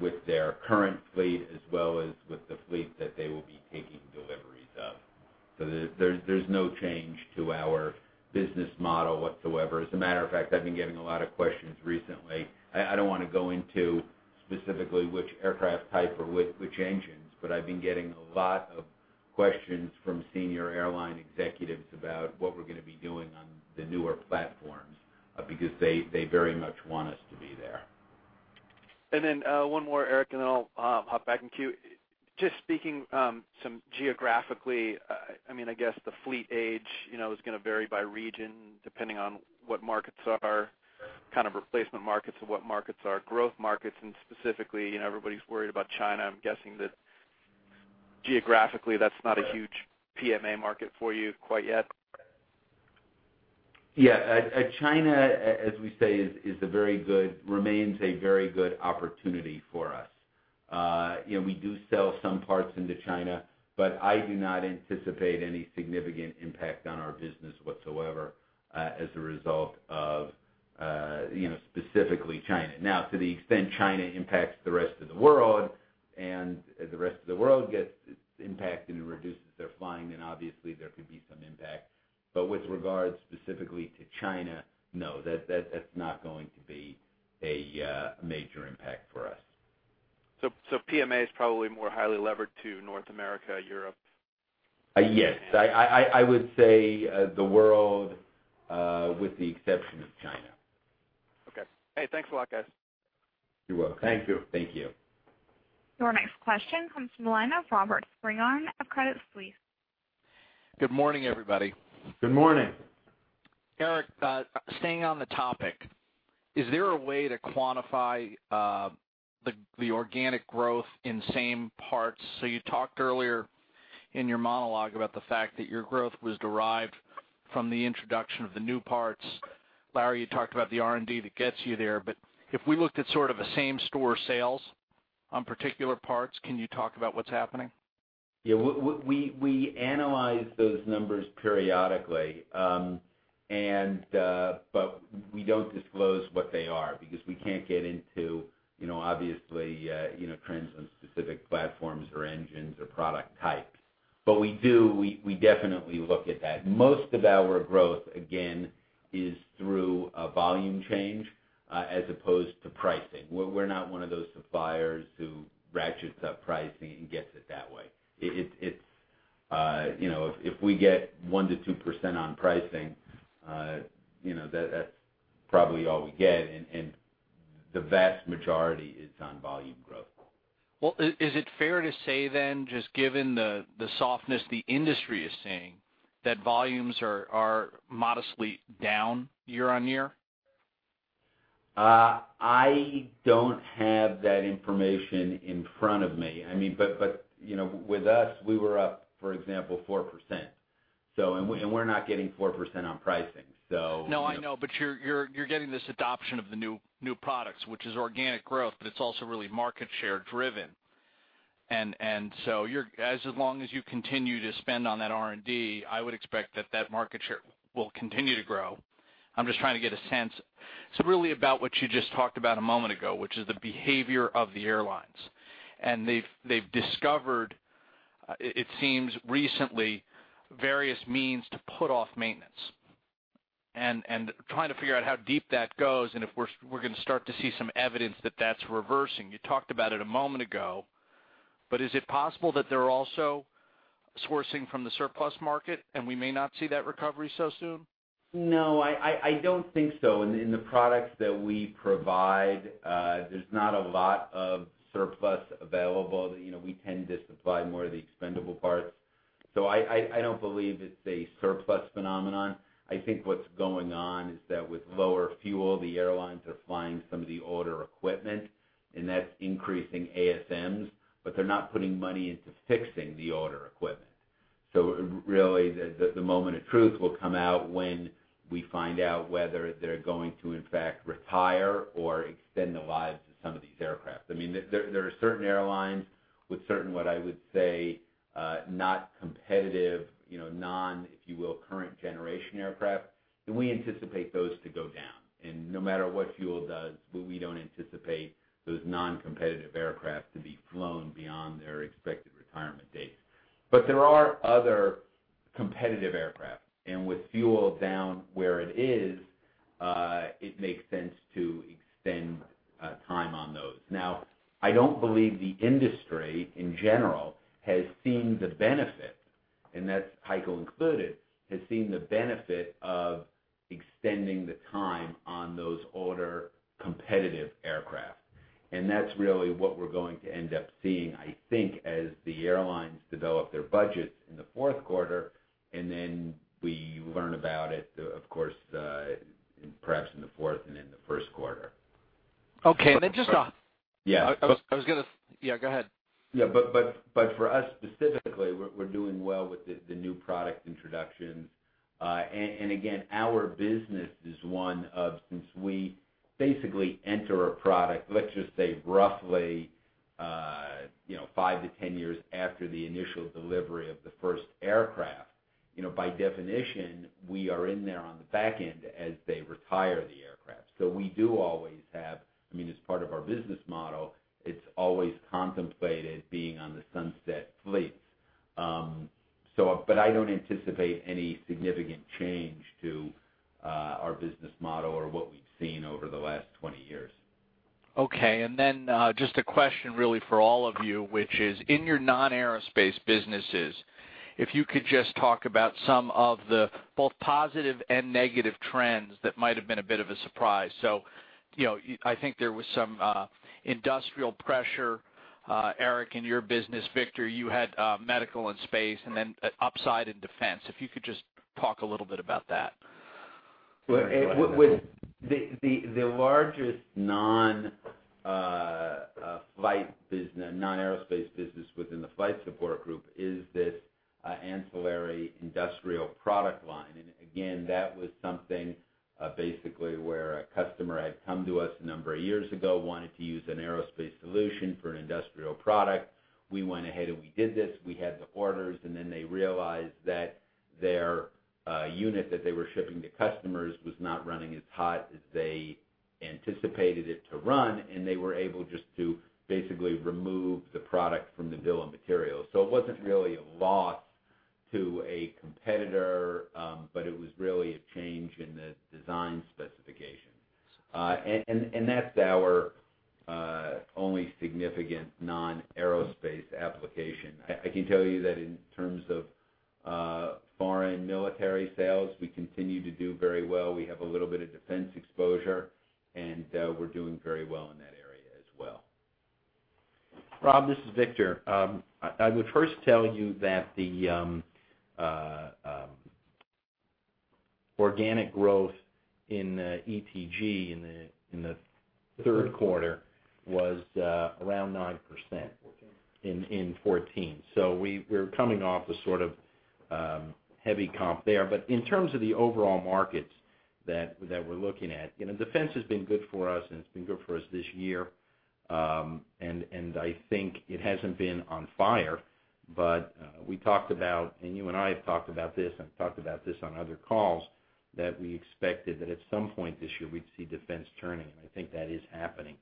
with their current fleet, as well as with the fleet that they will be taking deliveries of. There's no change to our business model whatsoever. As a matter of fact, I've been getting a lot of questions recently. I don't want to go into specifically which aircraft type or which engines, but I've been getting a lot of questions from senior airline executives about what we're going to be doing on the newer platforms, because they very much want us to be there. One more, Eric, and then I'll hop back in queue. Just speaking geographically, I guess the fleet age is going to vary by region depending on what markets are kind of replacement markets and what markets are growth markets, and specifically, everybody's worried about China. I'm guessing that geographically, that's not a huge PMA market for you quite yet. Yeah. China, as we say, remains a very good opportunity for us. We do sell some parts into China, but I do not anticipate any significant impact on our business whatsoever as a result of specifically China. Now, to the extent China impacts the rest of the world, and the rest of the world gets impacted and reduces their flying, then obviously there could be some impact. With regards specifically to China, no, that's not going to be a major impact for us. PMA is probably more highly levered to North America, Europe? Yes. I would say the world, with the exception of China. Okay. Hey, thanks a lot, guys. You're welcome. Thank you. Thank you. Your next question comes from the line of Robert Spingarn of Credit Suisse. Good morning, everybody. Good morning. Eric, staying on the topic, is there a way to quantify the organic growth in same parts? You talked earlier in your monologue about the fact that your growth was derived from the introduction of the new parts. Larry, you talked about the R&D that gets you there, but if we looked at sort of a same store sales on particular parts, can you talk about what's happening? Yeah. We analyze those numbers periodically, we don't disclose what they are, because we can't get into, obviously, trends on specific platforms or engines or product types. We do, we definitely look at that. Most of our growth, again, is through a volume change, as opposed to pricing. We're not one of those suppliers who ratchets up pricing and gets it that way. If we get 1%-2% on pricing, that's probably all we get, and the vast majority is on volume growth. Is it fair to say, just given the softness the industry is seeing, that volumes are modestly down year-on-year? I don't have that information in front of me. With us, we were up, for example, 4%. We're not getting 4% on pricing. No, I know, you're getting this adoption of the new products, which is organic growth, but it's also really market share driven. As long as you continue to spend on that R&D, I would expect that that market share will continue to grow. I'm just trying to get a sense really about what you just talked about a moment ago, which is the behavior of the airlines. They've discovered, it seems recently, various means to put off maintenance, and trying to figure out how deep that goes, and if we're going to start to see some evidence that that's reversing. You talked about it a moment ago, is it possible that they're also sourcing from the surplus market, and we may not see that recovery so soon? No, I don't think so. In the products that we provide, there's not a lot of surplus available. We tend to supply more of the expendable parts. I don't believe it's a surplus phenomenon. I think what's going on is that with lower fuel, the airlines are flying some of the older equipment, and that's increasing ASMs, but they're not putting money into fixing the older equipment. Really, the moment of truth will come out when we find out whether they're going to in fact retire or extend the lives of some of these aircraft. There are certain airlines with certain, what I would say, not competitive, non, if you will, current generation aircraft, and we anticipate those to go down. No matter what fuel does, we don't anticipate those non-competitive aircraft to be flown beyond their expected retirement dates. There are other competitive aircraft, and with fuel down where it is, it makes sense to extend time on those. I don't believe the industry in general has seen the benefit, and that's HEICO included, has seen the benefit of extending the time on those older competitive aircraft. That's really what we're going to end up seeing, I think, as the airlines develop their budgets in the fourth quarter, we learn about it, of course, perhaps in the fourth and in the first quarter. Okay. Yeah. Yeah, go ahead. For us specifically, we're doing well with the new product introductions. Again, our business is one of, since we basically enter a product, let's just say, roughly, five to 10 years after the initial delivery of the first aircraft. By definition, we are in there on the back end as they retire the aircraft. We do always have, as part of our business model, it's always contemplated being on the sunset fleet. I don't anticipate any significant change to our business model or what we've seen over the last 20 years. Okay, just a question really for all of you, which is, in your non-aerospace businesses, if you could just talk about some of the both positive and negative trends that might have been a bit of a surprise. I think there was some industrial pressure, Eric, in your business. Victor, you had medical and space, and then upside in defense. If you could just talk a little bit about that. The largest non-aerospace business within the Flight Support Group is this ancillary industrial product line. Again, that was something basically where a customer had come to us a number of years ago, wanted to use an aerospace solution for an industrial product. We went ahead and we did this. We had the orders, they realized that their unit that they were shipping to customers was not running as hot as they anticipated it to run, and they were able just to basically remove the product from the bill of materials. It wasn't really a loss to a competitor, it was really a change in the design specifications. That's our only significant non-aerospace application. I can tell you that in terms of foreign military sales, we continue to do very well. We have a little bit of defense exposure, we're doing very well in that area as well. Rob, this is Victor. I would first tell you that the organic growth in ETG in the third quarter was around 9% in 2014. We're coming off a sort of heavy comp there. In terms of the overall markets that we're looking at, defense has been good for us, it's been good for us this year. I think it hasn't been on fire. We talked about, and you and I have talked about this, and talked about this on other calls, that we expected that at some point this year we'd see defense turning, I think that is happening.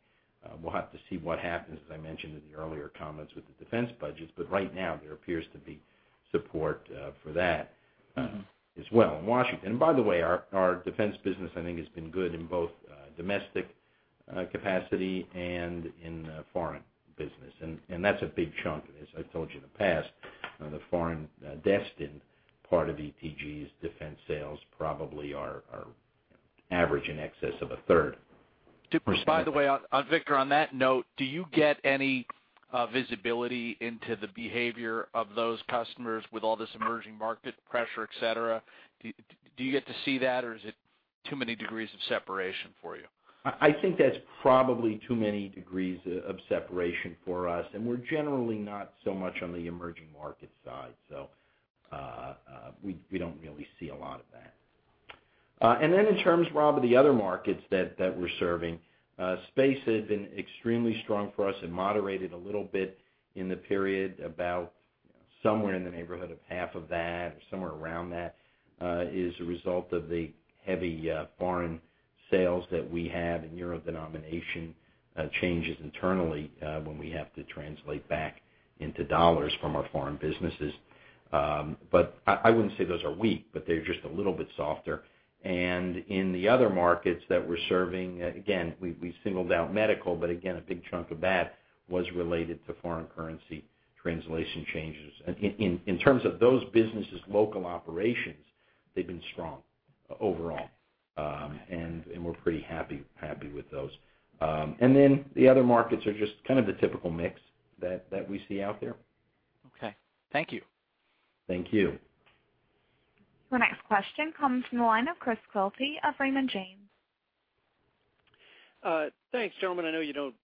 We'll have to see what happens, as I mentioned in the earlier comments, with the defense budgets. Right now, there appears to be support for that as well in Washington. By the way, our defense business, I think, has been good in both domestic capacity and in foreign business, and that's a big chunk of it. As I've told you in the past, the foreign destined part of ETG's defense sales probably are average in excess of a third. By the way, Victor, on that note, do you get any visibility into the behavior of those customers with all this emerging market pressure, et cetera? Do you get to see that, or is it too many degrees of separation for you? I think that's probably too many degrees of separation for us, and we're generally not so much on the emerging market side, so we don't really see a lot of that. In terms, Rob, of the other markets that we're serving, space has been extremely strong for us and moderated a little bit in the period about somewhere in the neighborhood of half of that or somewhere around that. Is a result of the heavy foreign sales that we have in euro denomination changes internally, when we have to translate back into dollars from our foreign businesses. I wouldn't say those are weak, but they're just a little bit softer. In the other markets that we're serving, again, we've singled out medical, but again, a big chunk of that was related to foreign currency translation changes. In terms of those businesses' local operations, they've been strong overall, and we're pretty happy with those. The other markets are just kind of the typical mix that we see out there. Okay. Thank you. Thank you. Your next question comes from the line of Chris Quilty of Raymond James. Thanks, gentlemen. I know you don't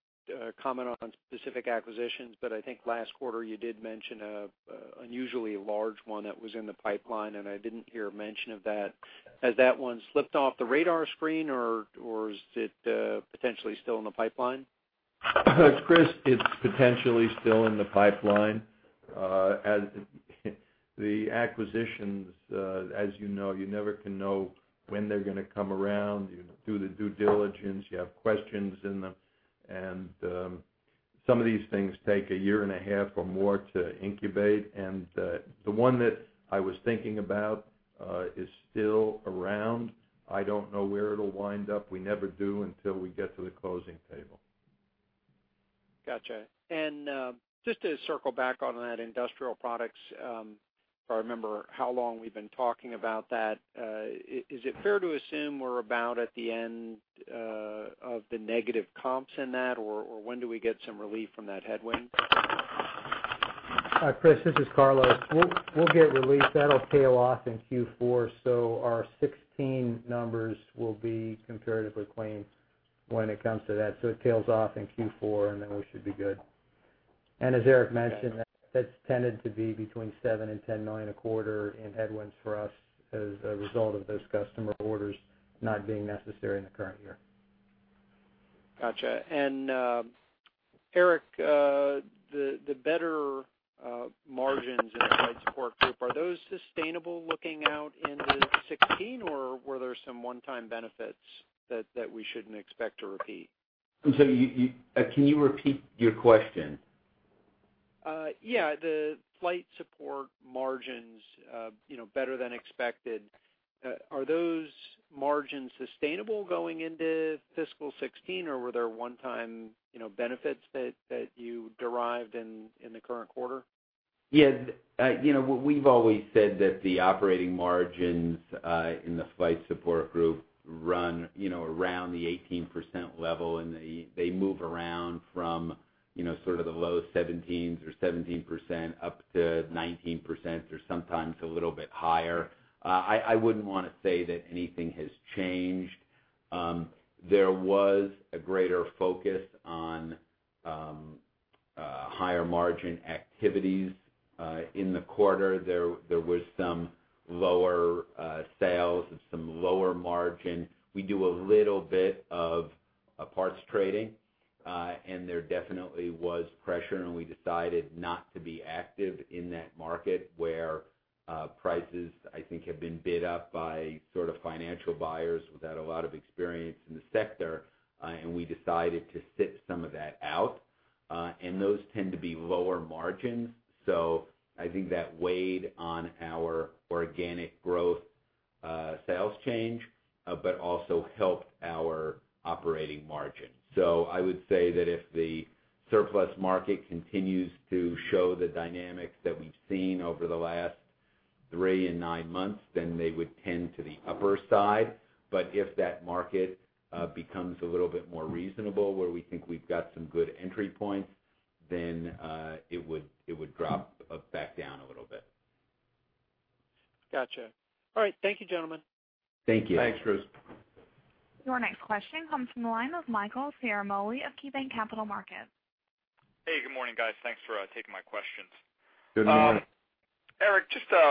comment on specific acquisitions, but I think last quarter you did mention an unusually large one that was in the pipeline, and I didn't hear mention of that. Has that one slipped off the radar screen, or is it potentially still in the pipeline? Chris, it's potentially still in the pipeline. The acquisitions, as you know, you never can know when they're going to come around. You do the due diligence. You have questions in them, and some of these things take a year and a half or more to incubate. The one that I was thinking about is still around. I don't know where it'll wind up. We never do until we get to the closing table. Got you. Just to circle back on that industrial products, if I remember how long we've been talking about that, is it fair to assume we're about at the end of the negative comps in that, or when do we get some relief from that headwind? Chris, this is Carlos. We'll get relief. That'll tail off in Q4. Our 2016 numbers will be comparatively clean when it comes to that. It tails off in Q4, and then we should be good. As Eric mentioned, that's tended to be between $7 million and $10 million a quarter in headwinds for us as a result of those customer orders not being necessary in the current year. Got you. Eric, the better margins in the Flight Support Group, are those sustainable looking out into 2016, or were there some one-time benefits that we shouldn't expect to repeat? I'm sorry, can you repeat your question? The Flight Support Group margins, better than expected. Are those margins sustainable going into fiscal 2016, or were there one-time benefits that you derived in the current quarter? We've always said that the operating margins in the Flight Support Group run around the 18% level, and they move around from sort of the low 17s or 17% up to 19% or sometimes a little bit higher. I wouldn't want to say that anything has changed. There was a greater focus on higher margin activities in the quarter. There was some lower sales of some lower margin. We do a little bit of parts trading, and there definitely was pressure, and we decided not to be active in that market where prices, I think, have been bid up by sort of financial buyers without a lot of experience in the sector. We decided to sit some of that out. Those tend to be lower margins. I think that weighed on our organic growth sales change, but also helped our operating margin. I would say that if the surplus market continues to show the dynamics that we've seen over the last three and nine months, they would tend to the upper side. If that market becomes a little bit more reasonable where we think we've got some good entry points, it would drop back down a little bit. Got you. All right. Thank you, gentlemen. Thank you. Thanks, Chris. Your next question comes from the line of Michael Ciarmoli of KeyBanc Capital Markets. Hey, good morning, guys. Thanks for taking my questions. Good morning. Eric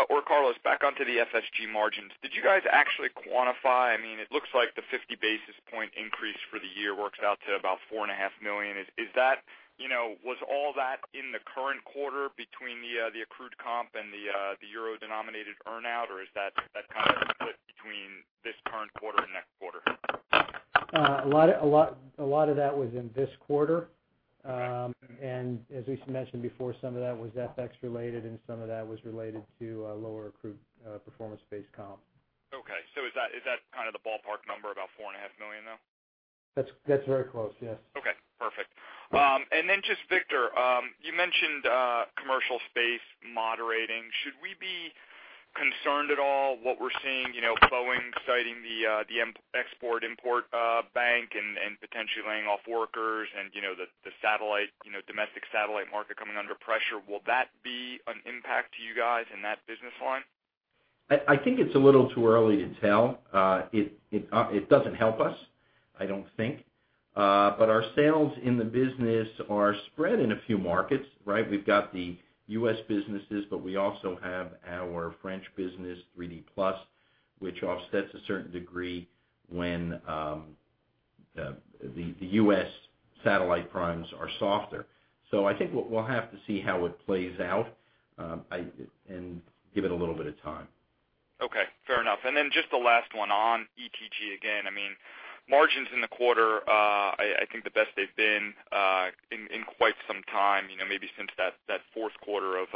or Carlos, back onto the FSG margins. Did you guys actually quantify? It looks like the 50 basis point increase for the year works out to about four and a half million. Was all that in the current quarter between the accrued comp and the euro-denominated earn out, or is that kind of split between this current quarter and next quarter? A lot of that was in this quarter. Okay. As we mentioned before, some of that was FX related, and some of that was related to lower accrued performance-based comp. Okay. Is that kind of the ballpark number, about four and a half million though? That's very close. Yes. Okay, perfect. Then just Victor, you mentioned commercial space moderating. Should we be concerned at all what we're seeing, Boeing citing the Export-Import Bank and potentially laying off workers and the domestic satellite market coming under pressure? Will that be an impact to you guys in that business line? I think it's a little too early to tell. It doesn't help us, I don't think. Our sales in the business are spread in a few markets, right? We've got the U.S. businesses, but we also have our French business, 3D Plus, which offsets a certain degree when the U.S. satellite primes are softer. I think we'll have to see how it plays out, and give it a little bit of time. Okay, fair enough. Just the last one on ETG again. Margins in the quarter I think the best they've been in quite some time, maybe since that fourth quarter of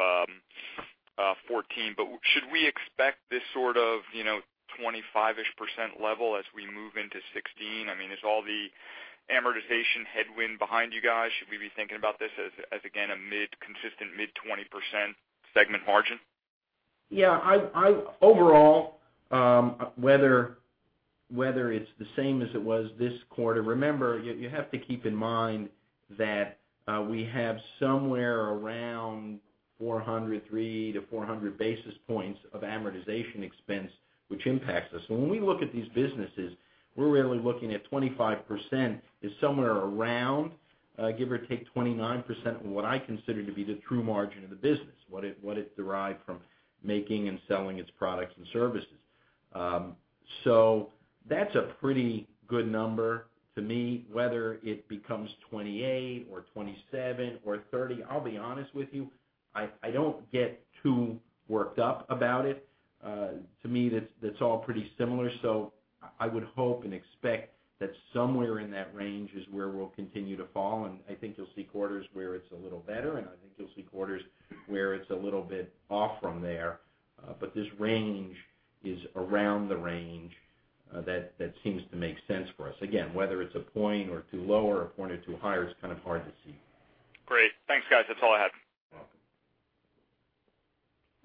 2014. Should we expect this sort of 25-ish% level as we move into 2016? Is all the amortization headwind behind you guys? Should we be thinking about this as, again, a consistent mid-20% segment margin? Yeah. Overall, whether it's the same as it was this quarter, remember, you have to keep in mind that we have somewhere around 403-400 basis points of amortization expense, which impacts us. When we look at these businesses, we're really looking at 25% is somewhere around, give or take 29%, what I consider to be the true margin of the business, what it derived from making and selling its products and services. That's a pretty good number to me, whether it becomes 28 or 27 or 30. I'll be honest with you, I don't get too worked up about it. To me, that's all pretty similar. I would hope and expect that somewhere in that range is where we'll continue to fall. I think you'll see quarters where it's a little better, and I think you'll see quarters where it's a little bit off from there. This range is around the range that seems to make sense for us. Again, whether it's a point or two lower, a point or two higher, it's kind of hard to see. Great. Thanks, guys. That's all I had.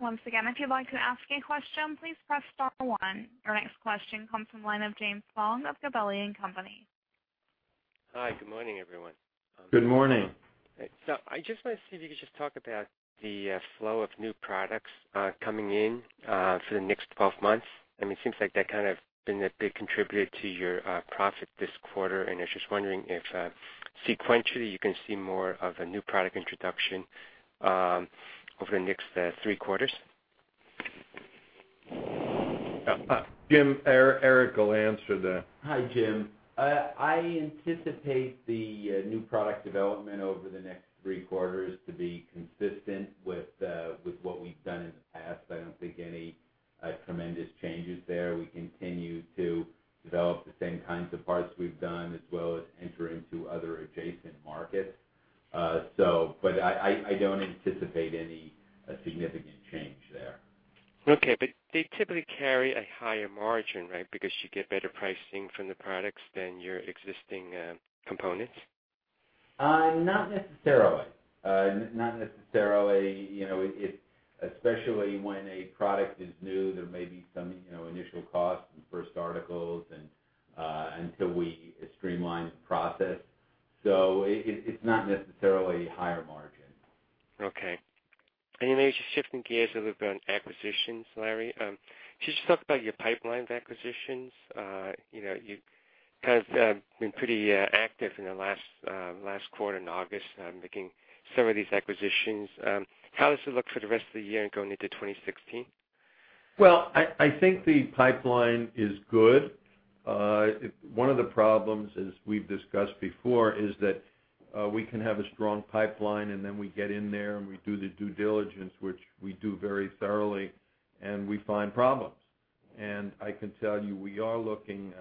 Once again, if you'd like to ask a question, please press star one. Your next question comes from the line of James Hong of Gabelli & Company. Hi, good morning, everyone. Good morning. I just want to see if you could just talk about the flow of new products coming in for the next 12 months. It seems like that kind of been a big contributor to your profit this quarter, and I was just wondering if, sequentially, you can see more of a new product introduction over the next 3 quarters. James, Eric will answer that. Hi, Jim. I anticipate the new product development over the next 3 quarters to be consistent with what we've done in the past. I don't think any tremendous changes there. We continue to develop the same kinds of parts we've done, as well as enter into other adjacent markets. I don't anticipate any significant change there. Okay. They typically carry a higher margin, right? Because you get better pricing from the products than your existing components. Not necessarily. Especially when a product is new, there may be some initial costs and first articles, and until we streamline the process. It's not necessarily higher margin. Okay. Maybe just shifting gears a little bit on acquisitions, Larry. Could you just talk about your pipeline of acquisitions? You have been pretty active in the last quarter in August, making some of these acquisitions. How does it look for the rest of the year and going into 2016? Well, I think the pipeline is good. One of the problems, as we've discussed before, is that we can have a strong pipeline and then we get in there and we do the due diligence, which we do very thoroughly, and we find problems I can tell you we are looking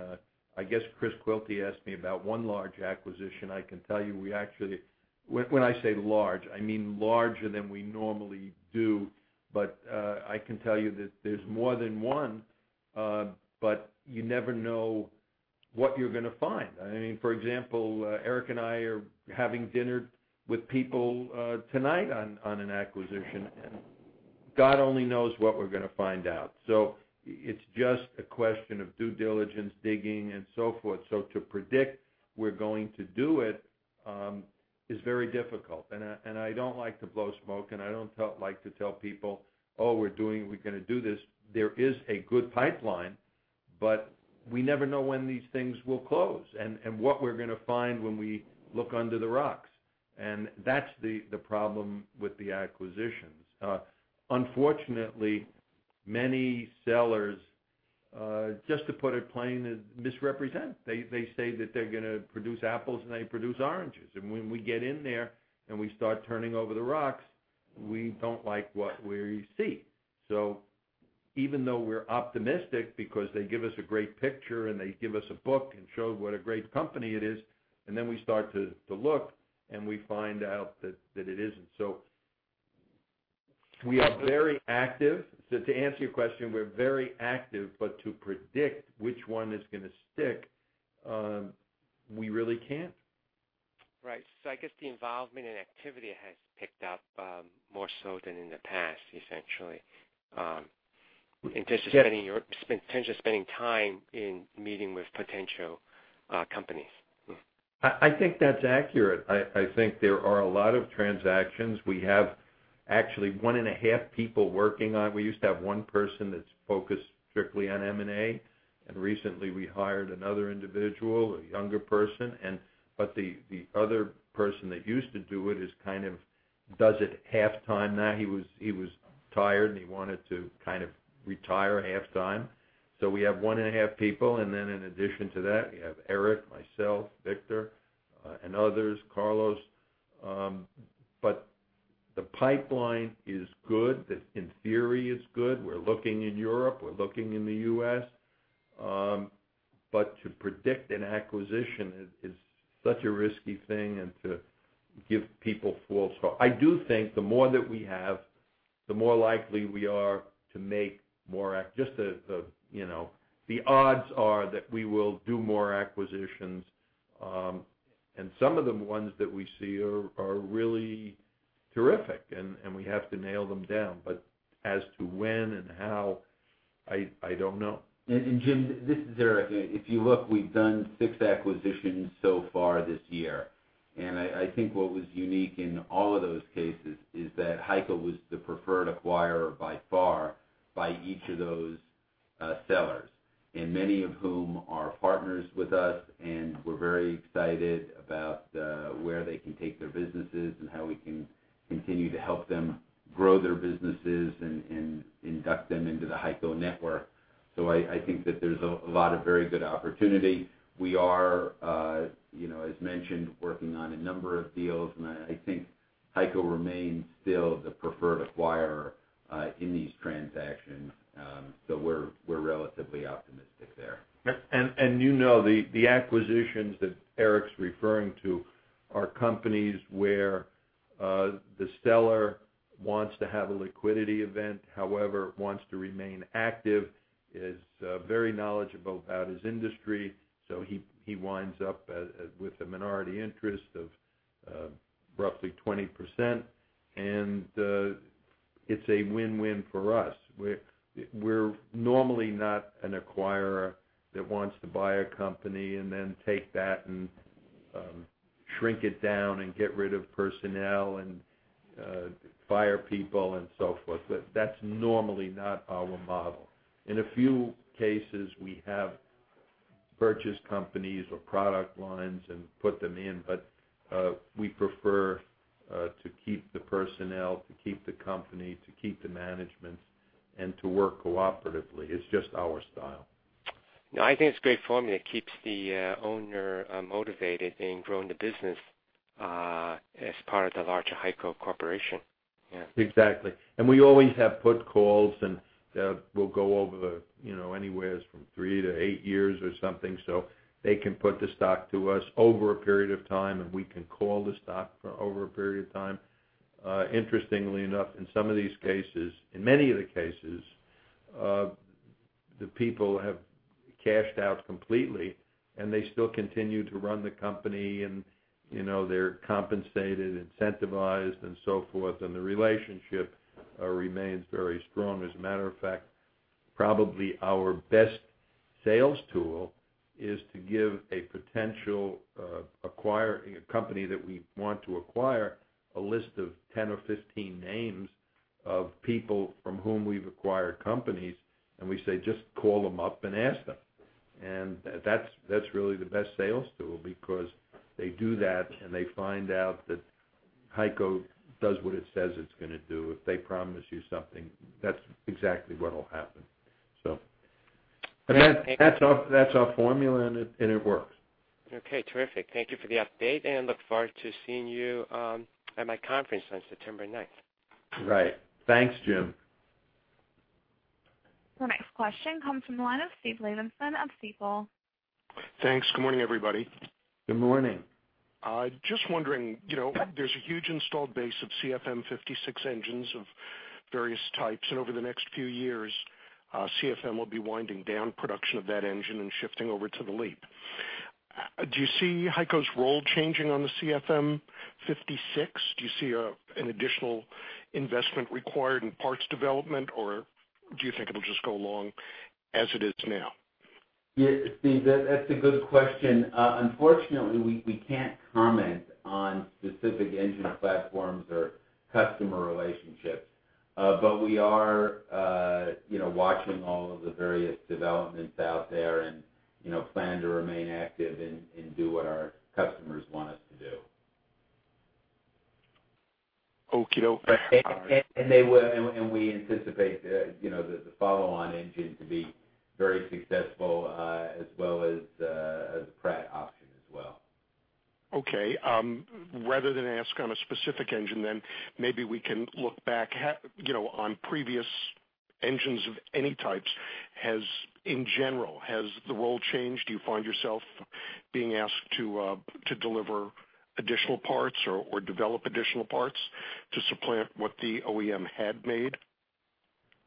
I guess Chris Quilty asked me about one large acquisition. I can tell you we actually, when I say large, I mean larger than we normally do, but I can tell you that there's more than one, but you never know what you're going to find. For example, Eric and I are having dinner with people tonight on an acquisition, and God only knows what we're going to find out. It's just a question of due diligence, digging, and so forth. To predict we're going to do it is very difficult. I don't like to blow smoke, and I don't like to tell people, "Oh, we're going to do this." There is a good pipeline, but we never know when these things will close and what we're going to find when we look under the rocks. That's the problem with the acquisitions. Unfortunately, many sellers, just to put it plain, misrepresent. They say that they're going to produce apples, and they produce oranges. When we get in there, and we start turning over the rocks, we don't like what we see. Even though we're optimistic because they give us a great picture, and they give us a book and show what a great company it is, and then we start to look, and we find out that it isn't. We are very active. To answer your question, we're very active, but to predict which one is going to stick, we really can't. Right. I guess the involvement and activity has picked up more so than in the past, essentially. Yes. In terms of spending time in meeting with potential companies. I think that's accurate. I think there are a lot of transactions. We have actually one and a half people working on. We used to have one person that's focused strictly on M&A, and recently we hired another individual, a younger person. The other person that used to do it kind of does it half-time now. He was tired, and he wanted to kind of retire half-time. We have one and a half people, and then in addition to that, we have Eric, myself, Victor, and others, Carlos. The pipeline is good. In theory, it's good. We're looking in Europe, we're looking in the U.S. To predict an acquisition is such a risky thing, and to give people false hope. I do think the more that we have, the more likely we are to make more. Just the odds are that we will do more acquisitions. Some of the ones that we see are really terrific, and we have to nail them down. As to when and how, I don't know. And Jim, this is Eric. If you look, we've done six acquisitions so far this year. I think what was unique in all of those cases is that HEICO was the preferred acquirer by far, by each of those sellers. Many of whom are partners with us, and we're very excited about where they can take their businesses and how we can continue to help them grow their businesses and induct them into the HEICO network. I think that there's a lot of very good opportunity. We are, as mentioned, working on a number of deals, and I think HEICO remains still the preferred acquirer in these transactions. We're relatively optimistic there. You know, the acquisitions that Eric's referring to are companies where the seller wants to have a liquidity event, however, wants to remain active, is very knowledgeable about his industry. He winds up with a minority interest of roughly 20%, and it's a win-win for us. We're normally not an acquirer that wants to buy a company and then take that and shrink it down and get rid of personnel and fire people and so forth. That's normally not our model. In a few cases, we have purchased companies or product lines and put them in, but we prefer to keep the personnel, to keep the company, to keep the management, and to work cooperatively. It's just our style. No, I think it's a great formula. It keeps the owner motivated in growing the business as part of the larger HEICO Corporation. Exactly. We always have put calls, and we'll go over anywhere from 3 to 8 years or something. They can put the stock to us over a period of time, and we can call the stock for over a period of time. Interestingly enough, in some of these cases, in many of the cases, the people have cashed out completely, and they still continue to run the company, and they're compensated, incentivized, and so forth, and the relationship remains very strong. As a matter of fact, probably our best sales tool is to give a potential acquiring company that we want to acquire a list of 10 or 15 names of people from whom we've acquired companies, and we say, "Just call them up and ask them." That's really the best sales tool because they do that, and they find out that HEICO does what it says it's going to do. If they promise you something, that's exactly what'll happen. That's our formula, and it works. Okay, terrific. Thank you for the update, and look forward to seeing you at my conference on September 9th. Right. Thanks, Jim. The next question comes from the line of Steve Levenson of Stifel. Thanks. Good morning, everybody. Good morning. Just wondering, there's a huge installed base of CFM56 engines of various types. Over the next few years, CFM will be winding down production of that engine and shifting over to the LEAP. Do you see HEICO's role changing on the CFM56? Do you see an additional investment required in parts development, or do you think it'll just go along as it is now? Yeah, Steve, that's a good question. Unfortunately, we can't comment on specific engine platforms or customer relationships. We are watching all of the various developments out there and plan to remain active and do what our customers want us to do. Okey-doke. We anticipate the follow-on engine to be very successful, as well as the Pratt option as well. Okay. Rather than ask on a specific engine, maybe we can look back on previous engines of any types. In general, has the role changed? Do you find yourself being asked to deliver additional parts or develop additional parts to supplant what the OEM had made?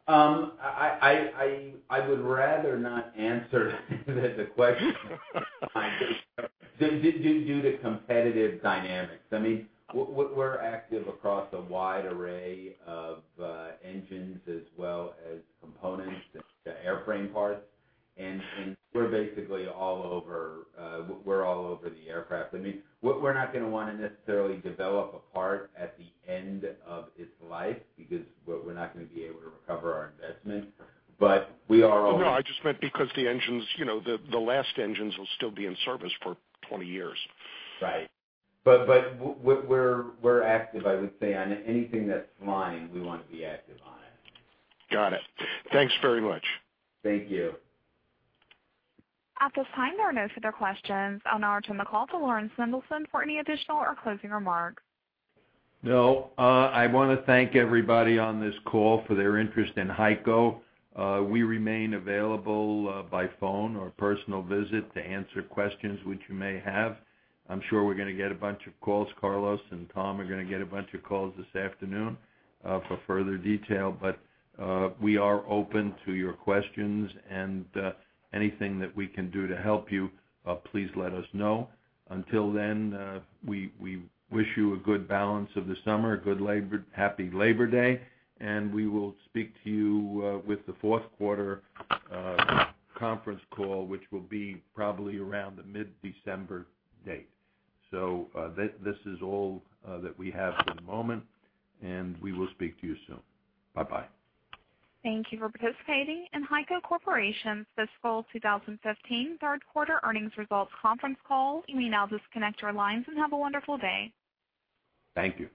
I would rather not answer the question due to competitive dynamics. We're active across a wide array of engines as well as components to airframe parts, we're basically all over the aircraft. We're not going to want to necessarily develop a part at the end of its life because we're not going to be able to recover our investment. We are- No, I just meant because the last engines will still be in service for 20 years. Right. We're active, I would say, on anything that's flying, we want to be active on it. Got it. Thanks very much. Thank you. At this time, there are no further questions. I'll now return the call to Laurans Mendelson for any additional or closing remarks. I want to thank everybody on this call for their interest in HEICO. We remain available by phone or personal visit to answer questions which you may have. I'm sure we're going to get a bunch of calls. Carlos and Tom are going to get a bunch of calls this afternoon for further detail. We are open to your questions, and anything that we can do to help you, please let us know. Until then, we wish you a good balance of the summer, happy Labor Day, and we will speak to you with the fourth quarter conference call, which will be probably around the mid-December date. This is all that we have for the moment, and we will speak to you soon. Bye-bye. Thank you for participating in HEICO Corporation's fiscal 2015 third quarter earnings results conference call. You may now disconnect your lines, have a wonderful day. Thank you.